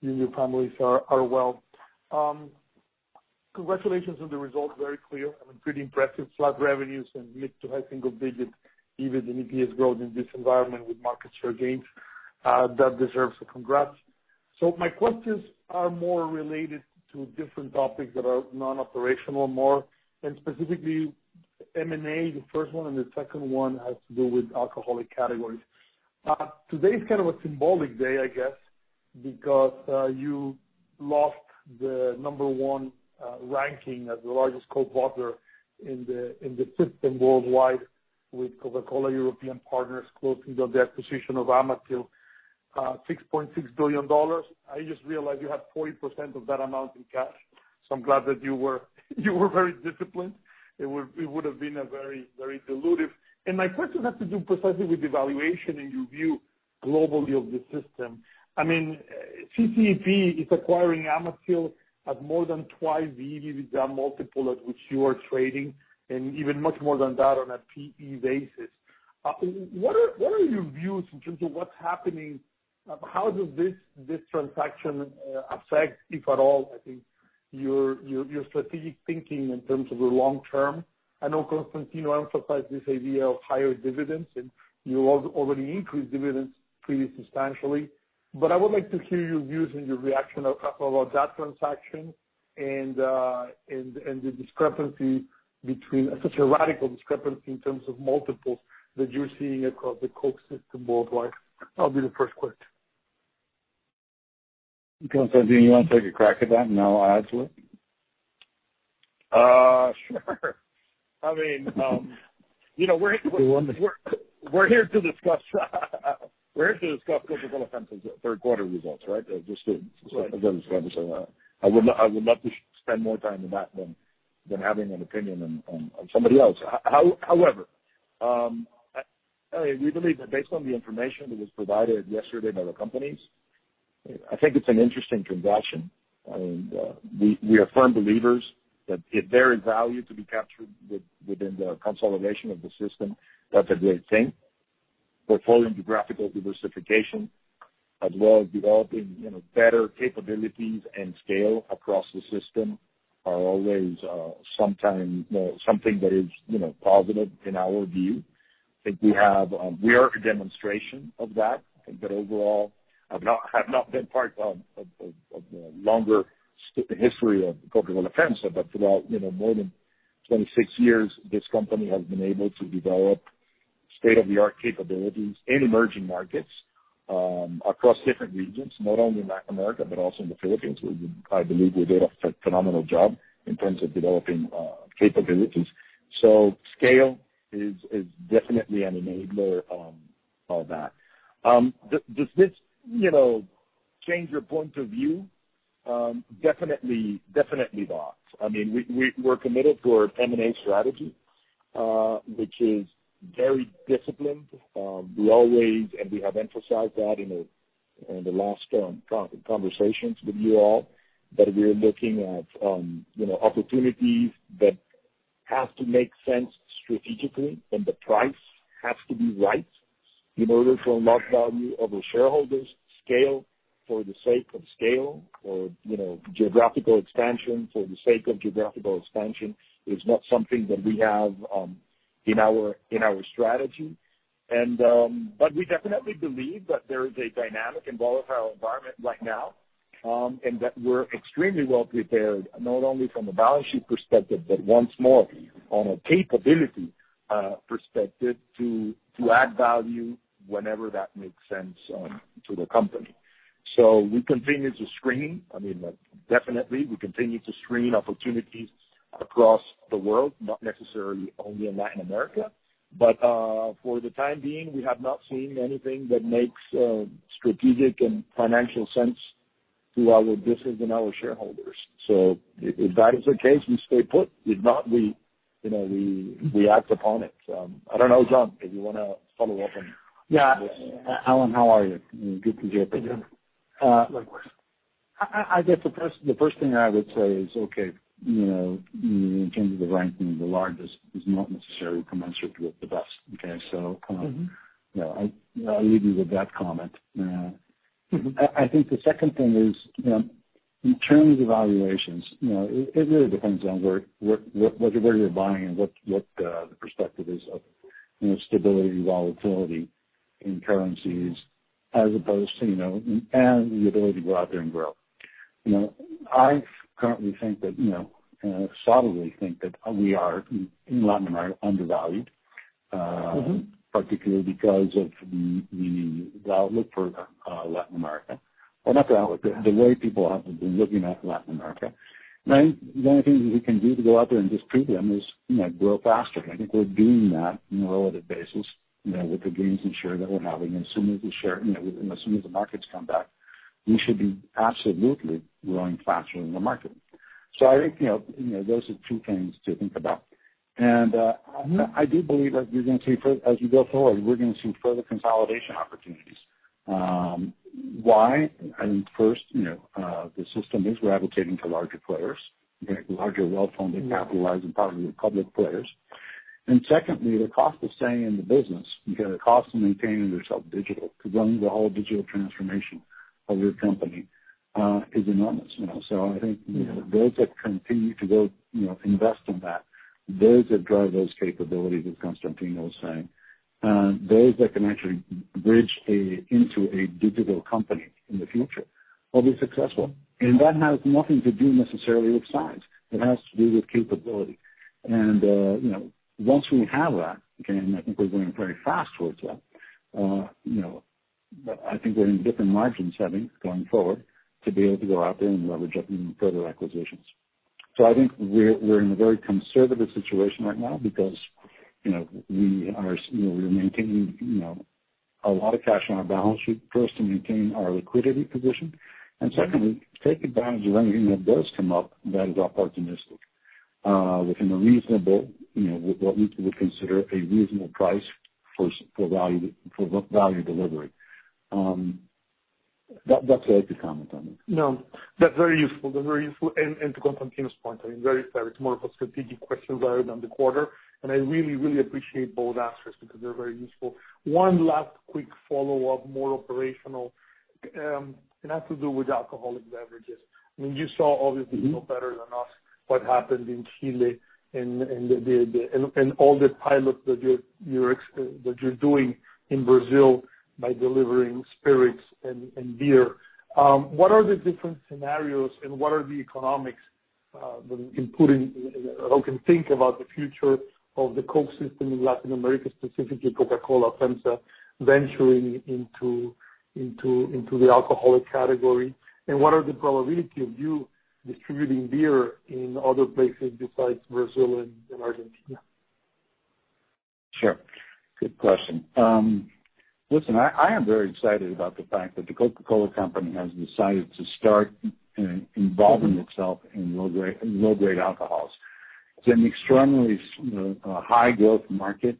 you and your families are well. Congratulations on the results, very clear and pretty impressive. Flat revenues and mid- to high-single-digits even in EPS growth in this environment with market share gains. That deserves a congrats. So my questions are more related to different topics that are non-operational, more, and specifically M&A, the first one, and the second one has to do with alcoholic categories. Today is kind of a symbolic day, I guess, because you lost the number one ranking as the largest co-bottler in the system worldwide with Coca-Cola European Partners closing down the acquisition of Amatil, $6.6 billion. I just realized you have 40% of that amount in cash. So I'm glad that you were very disciplined. It would, it would have been a very, very dilutive. And my question has to do precisely with the valuation and your view globally of the system. I mean, CCEP is acquiring Amatil at more than twice the EV/EBITDA multiple at which you are trading, and even much more than that on a PE basis. What are your views in terms of what's happening? How does this transaction affect, if at all, I think, your strategic thinking in terms of the long term? I know Constantino emphasized this idea of higher dividends, and you already increased dividends pretty substantially. But I would like to hear your views and your reaction about that transaction and the discrepancy between such a radical discrepancy in terms of multiples that you're seeing across the Coke system worldwide. That'll be the first question. Constantino, you want to take a crack at that, and I'll add to it? Sure. I mean, you know, we're- Go on. We're here to discuss Coca-Cola FEMSA's third quarter results, right? Just so you understand. I would love to spend more time on that than having an opinion on somebody else. However, we believe that based on the information that was provided yesterday by the companies, I think it's an interesting transaction. And we are firm believers that if there is value to be captured within the consolidation of the system, that's a great thing. We're following the geographical diversification as well as developing, you know, better capabilities and scale across the system are always sometimes, you know, something that is, you know, positive in our view. I think we have we are a demonstration of that, but overall, I've not been part of the longer history of Coca-Cola FEMSA, but for about, you know, more than twenty-six years, this company has been able to develop state-of-the-art capabilities in emerging markets, across different regions, not only in Latin America, but also in the Philippines, where we, I believe we did a phenomenal job in terms of developing capabilities. So scale is definitely an enabler on all that. Does this, you know, change our point of view? Definitely not. I mean, we're committed to our M&A strategy, which is very disciplined. We always, and we have emphasized that in the last conversations with you all, that we're looking at, you know, opportunities that have to make sense strategically, and the price has to be right in order to unlock value of our shareholders. Scale for the sake of scale or, you know, geographical expansion for the sake of geographical expansion is not something that we have in our strategy. But we definitely believe that there is a dynamic and volatile environment right now, and that we're extremely well prepared, not only from a balance sheet perspective, but once more, on a capability perspective, to add value whenever that makes sense to the company. We continue to screen. I mean, definitely, we continue to screen opportunities across the world, not necessarily only in Latin America, but for the time being, we have not seen anything that makes strategic and financial sense to our business and our shareholders. So if that is the case, we stay put. If not, you know, we act upon it. I don't know, John, if you wanna follow up on- Yeah. Alan, how are you? Good to see you. Uh, likewise. I guess the first thing I would say is, okay, you know, in terms of the ranking, the largest is not necessarily commensurate with the best. Okay, so, Mm-hmm. You know, I'll leave you with that comment. I think the second thing is, you know, in terms of valuations, you know, it really depends on where you're buying and what the perspective is of, you know, stability, volatility in currencies, as opposed to, you know, and the ability to go out there and grow. You know, I currently solidly think that we are in Latin America undervalued. Mm-hmm... particularly because of the outlook for Latin America, or not the outlook, the way people have been looking at Latin America. The only thing we can do to go out there and disprove them is, you know, grow faster. I think we're doing that on a relative basis, you know, with the gains in share that we're having. And as soon as we share, you know, as soon as the markets come back, we should be absolutely growing faster than the market. So I think, you know, you know, those are two things to think about. I do believe that we're gonna see further consolidation opportunities as we go forward. Why? I mean, first, you know, the system is gravitating to larger players, larger, well-funded, capitalized, and probably public players. And secondly, the cost of staying in the business, because the cost of maintaining yourself digital, to run the whole digital transformation of your company, is enormous, you know? So I think, you know, those that continue to go, you know, invest in that, those that drive those capabilities, as Constantino was saying, those that can actually bridge into a digital company in the future will be successful. And that has nothing to do necessarily with size. It has to do with capability. And, you know, once we have that, again, I think we're going very fast towards that, you know, I think we're in different margins settings going forward to be able to go out there and leverage up further acquisitions. I think we're in a very conservative situation right now because, you know, we are maintaining, you know, a lot of cash on our balance sheet, first, to maintain our liquidity position, and secondly, take advantage of anything that does come up that is opportunistic within a reasonable, you know, what we would consider a reasonable price for value delivery. That's how I could comment on it. No, that's very useful. That's very useful. And to Constantino's point, I mean, very clear, it's more of a strategic question rather than the quarter. And I really, really appreciate both answers because they're very useful. One last quick follow-up, more operational, it has to do with alcoholic beverages. I mean, you saw obviously no better than us what happened in Chile and all the pilots that you're doing in Brazil by delivering spirits and beer. What are the different scenarios and what are the economics in putting. How can think about the future of the Coke system in Latin America, specifically Coca-Cola FEMSA, venturing into the alcoholic category? And what are the probability of you distributing beer in other places besides Brazil and Argentina? Sure. Good question. Listen, I am very excited about the fact that the Coca-Cola Company has decided to start involving itself in low-grade alcohols. It's an extremely high growth market,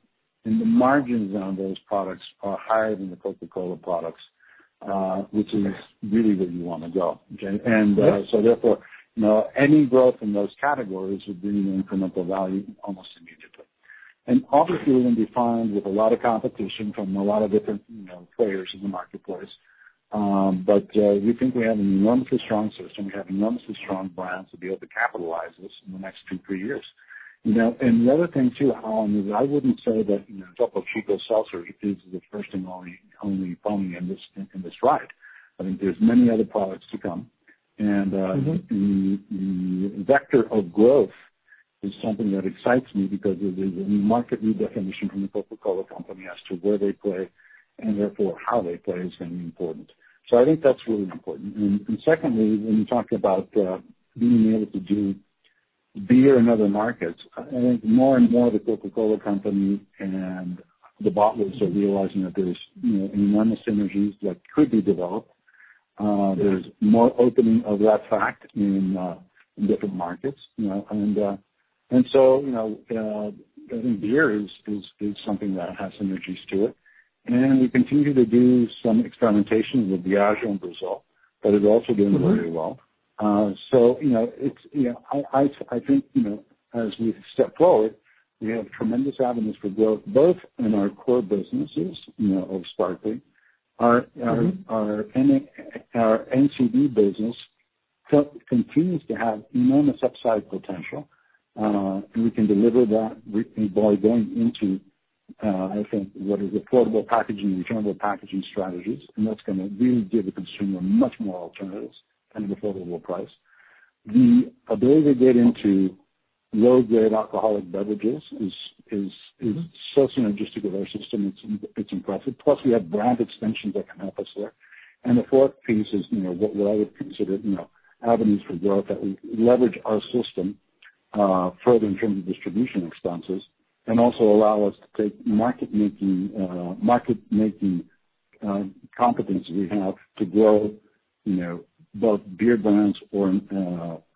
and the margins on those products are higher than the Coca-Cola products, which is really where you want to go, okay? And so therefore, you know, any growth in those categories would bring in incremental value almost immediately. And obviously, we're gonna be fine with a lot of competition from a lot of different, you know, players in the marketplace. But we think we have an enormously strong system. We have enormously strong brands to be able to capitalize this in the next two, three years. Now, and the other thing, too, Juan, is I wouldn't say that, you know, Topo Chico Seltzer is the first and only in this ride. I mean, there's many other products to come. Mm-hmm. The vector of growth is something that excites me because it is a new market redefinition from The Coca-Cola Company as to where they play, and therefore how they play is going to be important. So I think that's really important. And secondly, when you talk about being able to do beer in other markets, I think more and more The Coca-Cola Company and the bottlers are realizing that there's you know enormous synergies that could be developed. There's more opening of that fact in different markets, you know, and so you know I think beer is something that has synergies to it. And we continue to do some experimentation with Diageo in Brazil, that is also doing very well. Mm-hmm. So, you know, it's, you know, I think, you know, as we step forward, we have tremendous avenues for growth, both in our core businesses, you know, of sparkling. Mm-hmm. Our NCB business continues to have enormous upside potential. And we can deliver that by going into, I think what is affordable packaging, returnable packaging strategies, and that's gonna really give the consumer much more alternatives and an affordable price. The ability to get into low-grade alcoholic beverages is so synergistic with our system, it's impressive. Plus, we have brand extensions that can help us there. And the fourth piece is, you know, what I would consider, you know, avenues for growth, that we leverage our system further in terms of distribution expenses, and also allow us to take market-making competence we have to grow, you know, both beer brands or,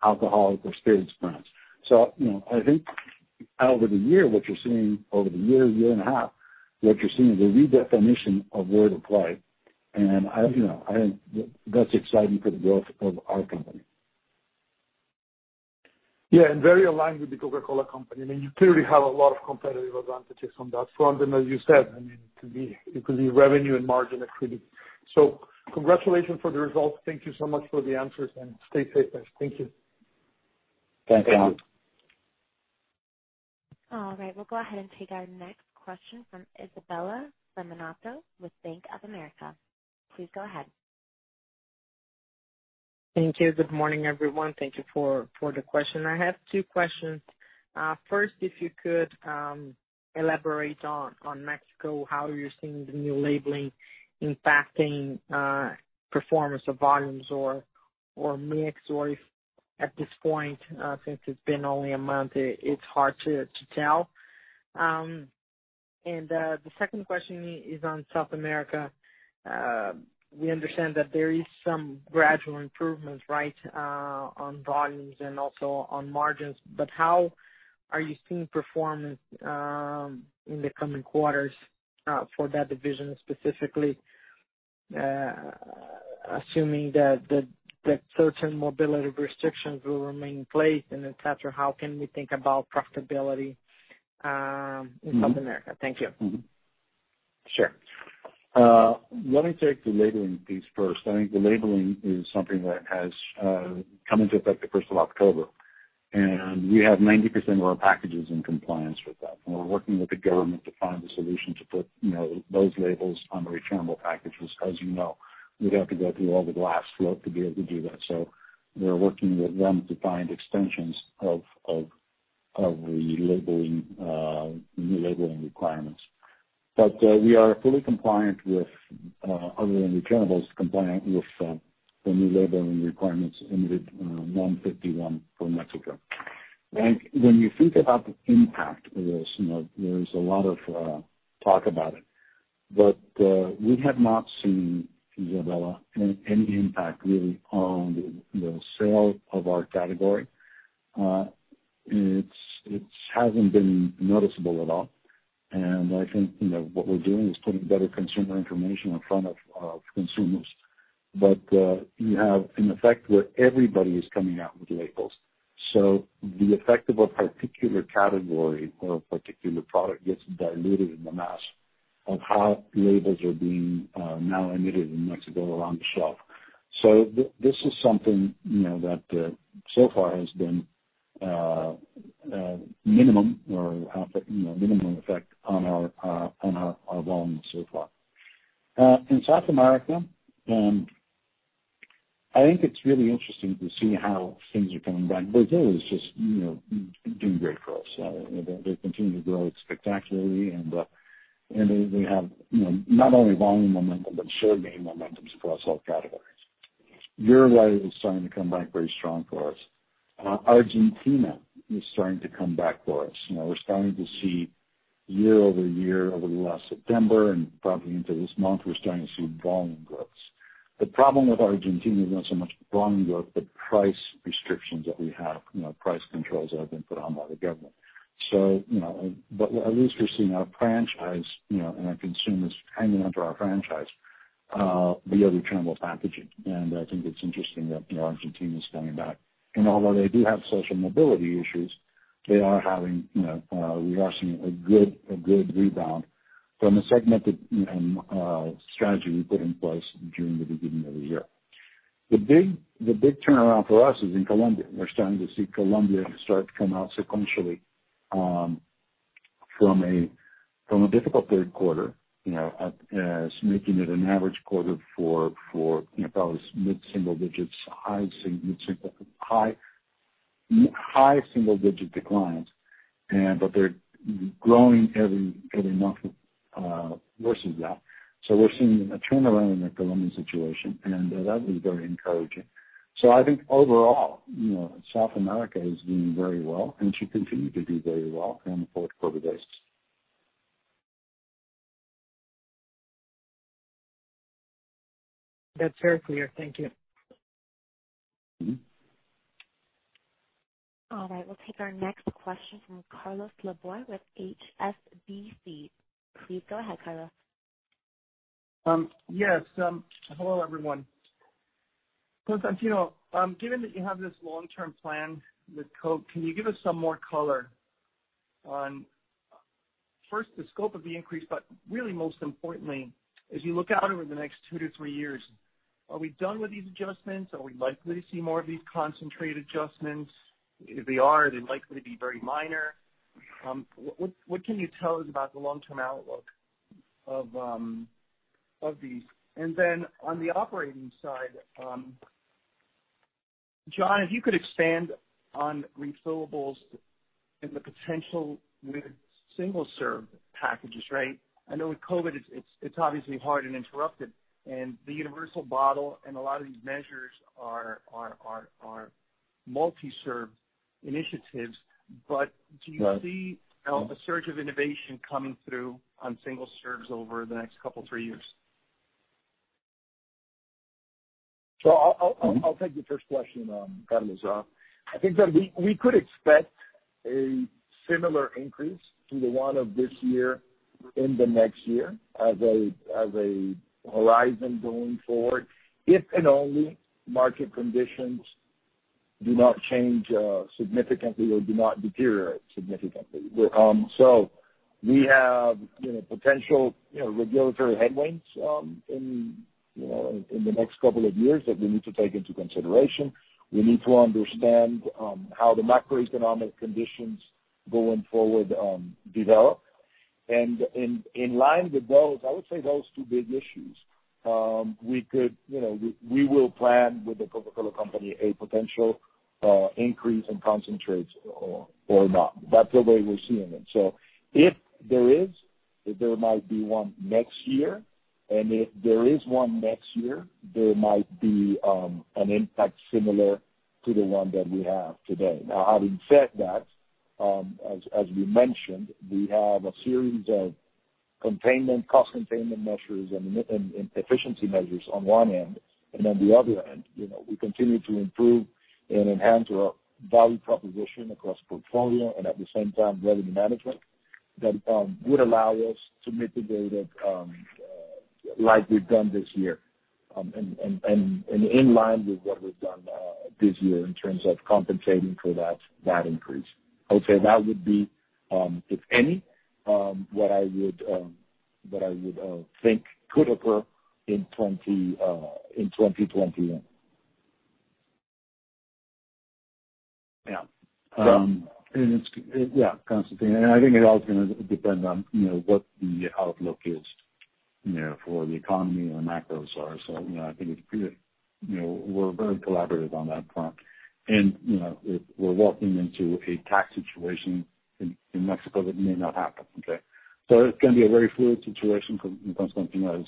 alcoholic or spirits brands. So, you know, I think over the year, what you're seeing over the year, year and a half, what you're seeing is a redefinition of world of play. And I, you know, I think that's exciting for the growth of our company. Yeah, and very aligned with The Coca-Cola Company. I mean, you clearly have a lot of competitive advantages on that front. And as you said, I mean, it could be, it could be revenue and margin equity. So congratulations for the results. Thank you so much for the answers, and stay safe. Thank you. Thanks, Juan. All right, we'll go ahead and take our next question from Isabella Simonato with Bank of America. Please go ahead. Thank you. Good morning, everyone. Thank you for the question. I have two questions. First, if you could elaborate on Mexico, how you're seeing the new labeling impacting performance of volumes or mix, or if at this point, since it's been only a month, it's hard to tell? The second question is on South America. We understand that there is some gradual improvement, right, on volumes and also on margins, but how are you seeing performance in the coming quarters for that division specifically, assuming that the short-term mobility restrictions will remain in place and et cetera, how can we think about profitability in South America? Mm-hmm. Thank you. Mm-hmm. Sure. Let me take the labeling piece first. I think the labeling is something that has come into effect the first of October, and we have 90% of our packages in compliance with that. And we're working with the government to find a solution to put, you know, those labels on returnable packages. As you know, we'd have to go through all the glass flow to be able to do that. So we're working with them to find extensions of the labeling, new labeling requirements. But we are fully compliant with, other than returnables, compliant with the new labeling requirements under NOM-051 for Mexico. When you think about the impact of this, you know, there's a lot of talk about it, but we have not seen, Isabella, any impact really on the sale of our category. It hasn't been noticeable at all. And I think, you know, what we're doing is putting better consumer information in front of consumers. But you have an effect where everybody is coming out with labels. So the effect of a particular category or a particular product gets diluted in the mass of how labels are being now emitted in Mexico around the shelf. So this is something, you know, that so far has been minimum or have minimum effect on our volumes so far. In South America, I think it's really interesting to see how things are coming back. Brazil is just, you know, doing great for us. They continue to grow spectacularly and they have, you know, not only volume momentum, but share gain momentums across all categories. Uruguay is starting to come back very strong for us. Argentina is starting to come back for us. You know, we're starting to see year over year, over the last September and probably into this month, we're starting to see volume growths. The problem with Argentina is not so much volume growth, but price restrictions that we have, you know, price controls that have been put on by the government. You know, but at least we're seeing our franchise, you know, and our consumers hanging onto our franchise via returnable packaging. I think it's interesting that, you know, Argentina is coming back. Although they do have social mobility issues, they are having, you know, we are seeing a good rebound from a segmented strategy we put in place during the beginning of the year. The big turnaround for us is in Colombia. We're starting to see Colombia start to come out sequentially from a difficult third quarter, you know, as making it an average quarter for, you know, probably mid-single digits, high single digit declines. But they're growing every month versus that. So we're seeing a turnaround in the Colombian situation, and that was very encouraging. So I think overall, you know, South America is doing very well, and should continue to do very well during the fourth quarter days. That's very clear. Thank you. Mm-hmm. All right, we'll take our next question from Carlos Laboy, with HSBC. Please go ahead, Carlos. Yes. Hello, everyone. Constantino, given that you have this long-term plan with Coke, can you give us some more color on, first, the scope of the increase, but really, most importantly, as you look out over the next two to three years, are we done with these adjustments? Are we likely to see more of these concentrated adjustments? If they are, are they likely to be very minor? What can you tell us about the long-term outlook of these? And then on the operating side, John, if you could expand on refillables and the potential with single-serve packages, right? I know with COVID, it's obviously hard and interrupted, and the Universal Bottle and a lot of these measures are multi-serve initiatives. But do you see a surge of innovation coming through on single serves over the next couple, three years? I'll take the first question, Carlos. I think that we could expect a similar increase to the one of this year in the next year as a horizon going forward, if and only if market conditions do not change significantly or do not deteriorate significantly. So we have you know potential you know regulatory headwinds in you know in the next couple of years that we need to take into consideration. We need to understand how the macroeconomic conditions going forward develop. And in line with those, I would say those two big issues, we could you know we will plan with the Coca-Cola Company a potential increase in concentrates or not. That's the way we're seeing it. So if there is, there might be one next year, and if there is one next year, there might be an impact similar to the one that we have today. Now, having said that, as we mentioned, we have a series of cost containment measures and efficiency measures on one end, and on the other end, you know, we continue to improve and enhance our value proposition across portfolio and at the same time, revenue management that would allow us to mitigate it, like we've done this year, in line with what we've done this year in terms of compensating for that increase. I would say that would be, if any, what I would think could occur in 2021. Yeah. Um- It's Constantino, and I think it also gonna depend on, you know, what the outlook is, you know, for the economy and macros are. I think it's, you know, we're very collaborative on that front. We're walking into a tax situation in Mexico that may not happen, okay? It's gonna be a very fluid situation, Constantino, as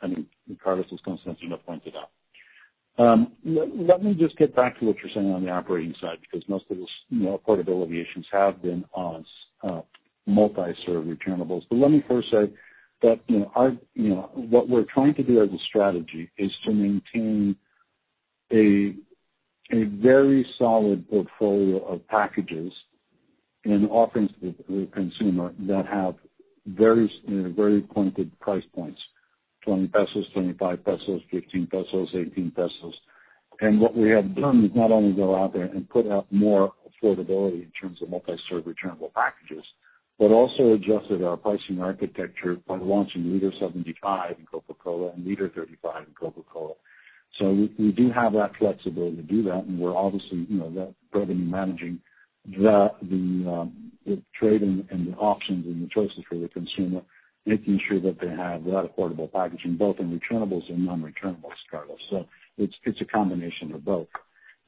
I mean, Carlos, as Constantino pointed out. Let me just get back to what you're saying on the operating side, because most of the, you know, affordability have been on multi-serve returnables. But let me first say that, you know, you know, what we're trying to do as a strategy is to maintain a very solid portfolio of packages and offerings to the consumer that have very, you know, very pointed price points, 20 pesos, 25 pesos, 15 pesos, 18 pesos. And what we have done is not only go out there and put out more affordability in terms of multi-serve returnable packages, but also adjusted our pricing architecture by launching 0.75-liter in Coca-Cola and 0.35-liter in Coca-Cola. So we do have that flexibility to do that, and we're obviously, you know, revenue managing the trade and the options and the choices for the consumer, making sure that they have that affordable packaging, both in returnables and non-returnable singles. So it's a combination of both.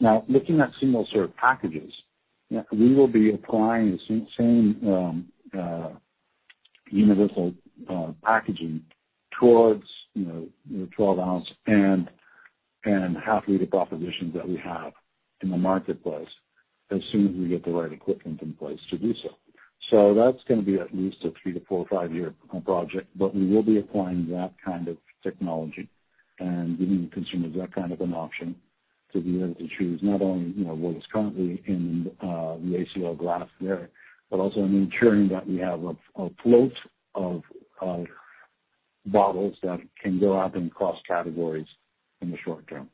Now, looking at single serve packages, we will be applying the same, universal, packaging towards, you know, the twelve ounce and half liter propositions that we have in the marketplace as soon as we get the right equipment in place to do so. So that's gonna be at least a three- to five-year project, but we will be applying that kind of technology and giving the consumers that kind of an option to be able to choose not only, you know, what is currently in, the ACL glass there, but also in ensuring that we have a float of bottles that can go out and cross categories in the short term.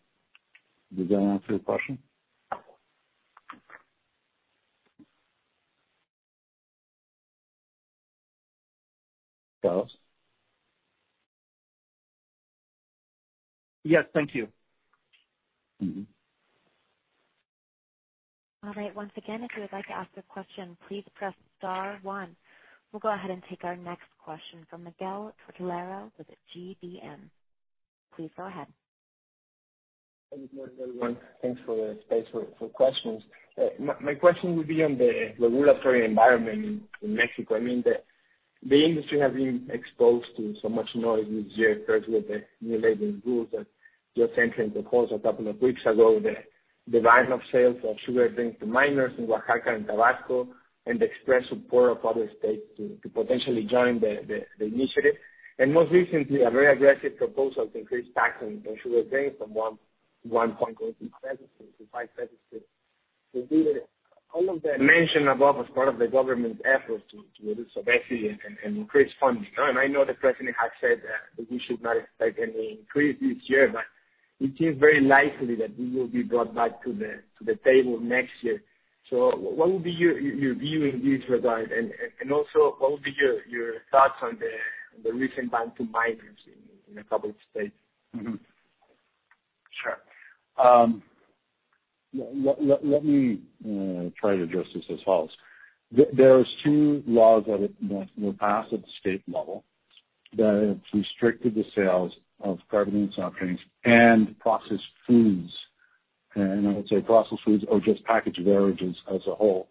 Does that answer your question? Carlos? Yes, thank you. Mm-hmm. All right. Once again, if you would like to ask a question, please press star one. We'll go ahead and take our next question from Miguel Tortolero with GBM. Please go ahead. Thanks for the space for questions. My question would be on the regulatory environment in Mexico. I mean, the industry has been exposed to so much noise this year, first with the new labeling rules that just entered into force a couple of weeks ago, the ban of sales of sugar drinks to minors in Oaxaca and Tabasco, and the express support of other states to potentially join the initiative. And most recently, a very aggressive proposal to increase tax on sugar drinks from 1.06 to 5 pesos. So did all of that mentioned above as part of the government's efforts to reduce obesity and increase funding? I know the president has said that we should not expect any increase this year, but it seems very likely that we will be brought back to the table next year. What would be your view in this regard? Also, what would be your thoughts on the recent ban to minors in a couple of states? Mm-hmm. Sure. Let me try to address this as follows. There's two laws that were passed at the state level that have restricted the sales of carbonated soft drinks and processed foods. And I would say processed foods or just packaged beverages as a whole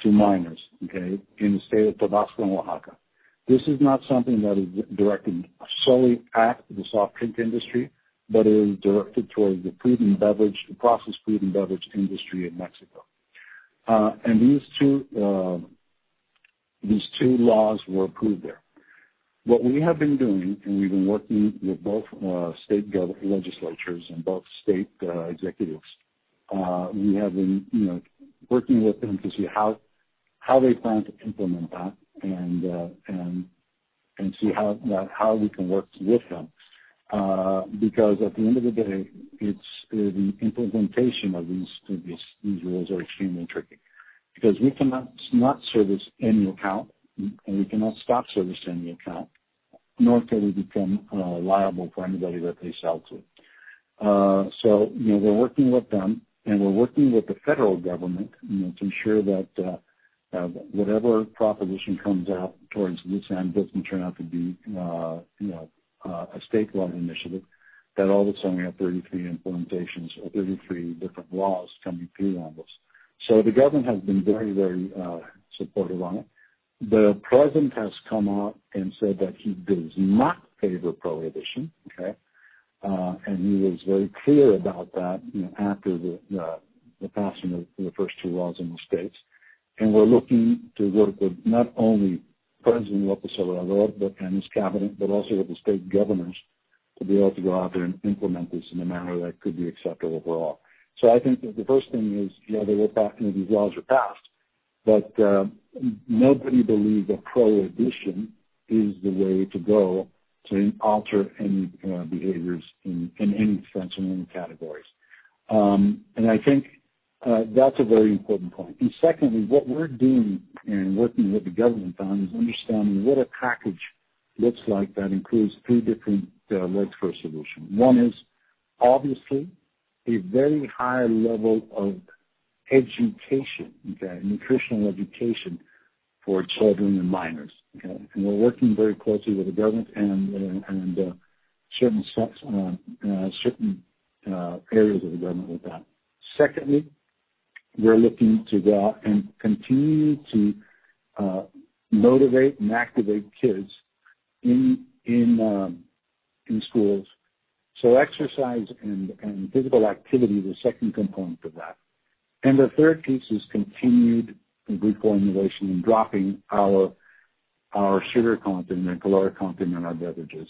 to minors, okay? In the state of Tabasco and Oaxaca. This is not something that is directed solely at the soft drink industry, but it is directed towards the food and beverage, the processed food and beverage industry in Mexico. And these two laws were approved there. What we have been doing, and we've been working with both state governments and legislatures and both state executives. We have been, you know, working with them to see how they plan to implement that and see how we can work with them. Because at the end of the day, it's the implementation of these rules are extremely tricky. Because we cannot not service any account, and we cannot stop servicing any account, nor can we become liable for anybody that they sell to. So, you know, we're working with them, and we're working with the federal government, you know, to ensure that whatever proposition comes out towards this end doesn't turn out to be a statewide initiative, that all of a sudden we have 33 implementations or 33 different laws coming through on this. So the government has been very, very supportive on it. The president has come out and said that he does not favor prohibition, okay? And he was very clear about that, you know, after the passing of the first two laws in the states. And we're looking to work with not only President López Obrador, but also his cabinet, but also with the state governors, to be able to go out there and implement this in a manner that could be acceptable for all. So I think that the first thing is, you know, that we're talking. These laws are passed. But nobody believes that prohibition is the way to go to alter any behaviors in any sense, in any categories. And I think that's a very important point. And secondly, what we're doing in working with the government on is understanding what a package looks like that includes three different workforce solutions. One is obviously a very high level of education, okay? Nutritional education for children and minors, okay? And we're working very closely with the government and certain areas of the government with that. Secondly, we're looking to go out and continue to motivate and activate kids in schools. So exercise and physical activity is the second component of that. And the third piece is continued reformulation and dropping our sugar content and caloric content in our beverages.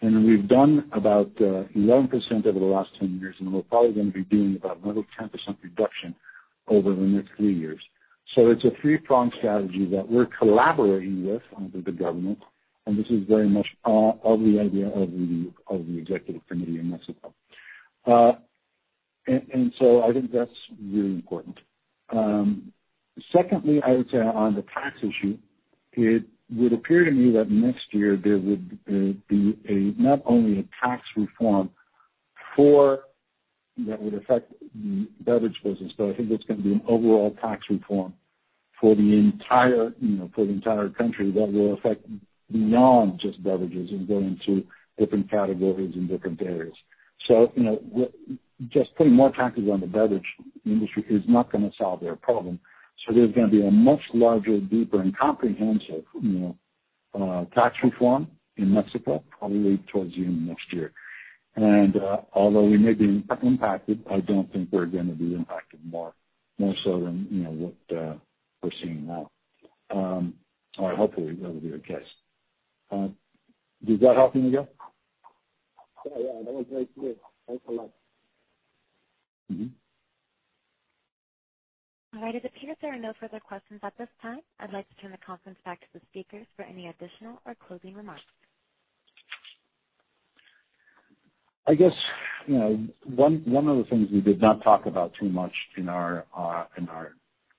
And we've done about 11% over the last 10 years, and we're probably going to be doing about another 10% reduction over the next 3 years. So it's a 3-pronged strategy that we're collaborating with under the government, and this is very much of the idea of the executive committee in Mexico. And so I think that's really important. Secondly, I would say on the tax issue, it would appear to me that next year there would be a not only a tax reform for... That would affect the beverage business, but I think it's gonna be an overall tax reform for the entire, you know, for the entire country, that will affect beyond just beverages and go into different categories and different areas. So, you know, just putting more taxes on the beverage industry is not gonna solve their problem. So there's gonna be a much larger, deeper and comprehensive, you know, tax reform in Mexico, probably towards the end of next year. And, although we may be impacted, I don't think we're gonna be impacted more, more so than, you know, what, we're seeing now. Or hopefully, that will be the case. Did that help, Miguel? Yeah, yeah, that was very clear. Thanks a lot. Mm-hmm. All right. It appears there are no further questions at this time. I'd like to turn the conference back to the speakers for any additional or closing remarks. I guess, you know, one of the things we did not talk about too much in our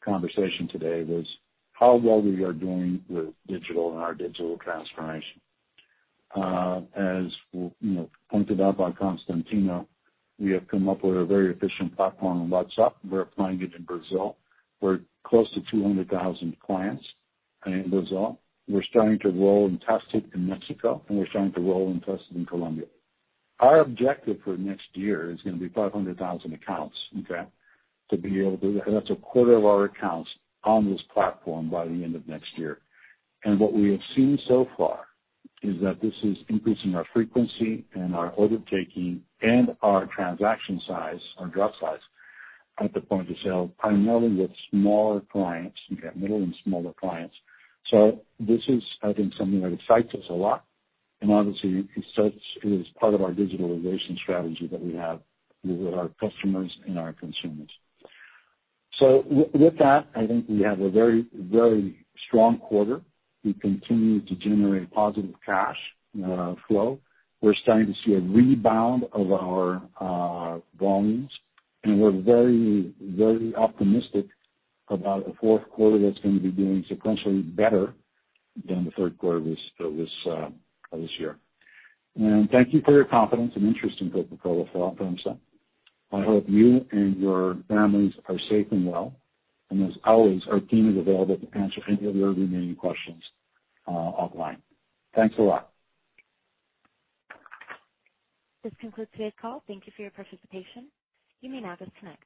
conversation today was how well we are doing with digital and our digital transformation. As you know, pointed out by Constantino, we have come up with a very efficient platform on WhatsApp. We're applying it in Brazil. We're close to 200,000 clients in Brazil. We're starting to roll and test it in Mexico, and we're starting to roll and test it in Colombia. Our objective for next year is gonna be 500,000 accounts, okay? To be able to- that's a quarter of our accounts on this platform by the end of next year. And what we have seen so far is that this is increasing our frequency and our order taking and our transaction size, our drop size, at the point of sale, primarily with smaller clients, okay, middle and smaller clients. So this is, I think, something that excites us a lot, and obviously, it is part of our digital innovation strategy that we have with our customers and our consumers. So with that, I think we have a very, very strong quarter. We continue to generate positive cash flow. We're starting to see a rebound of our volumes, and we're very, very optimistic about a fourth quarter that's going to be doing sequentially better than the third quarter of this year. And thank you for your confidence and interest in Coca-Cola FEMSA. I hope you and your families are safe and well, and as always, our team is available to answer any of your remaining questions, offline. Thanks a lot. This concludes today's call. Thank you for your participation. You may now disconnect.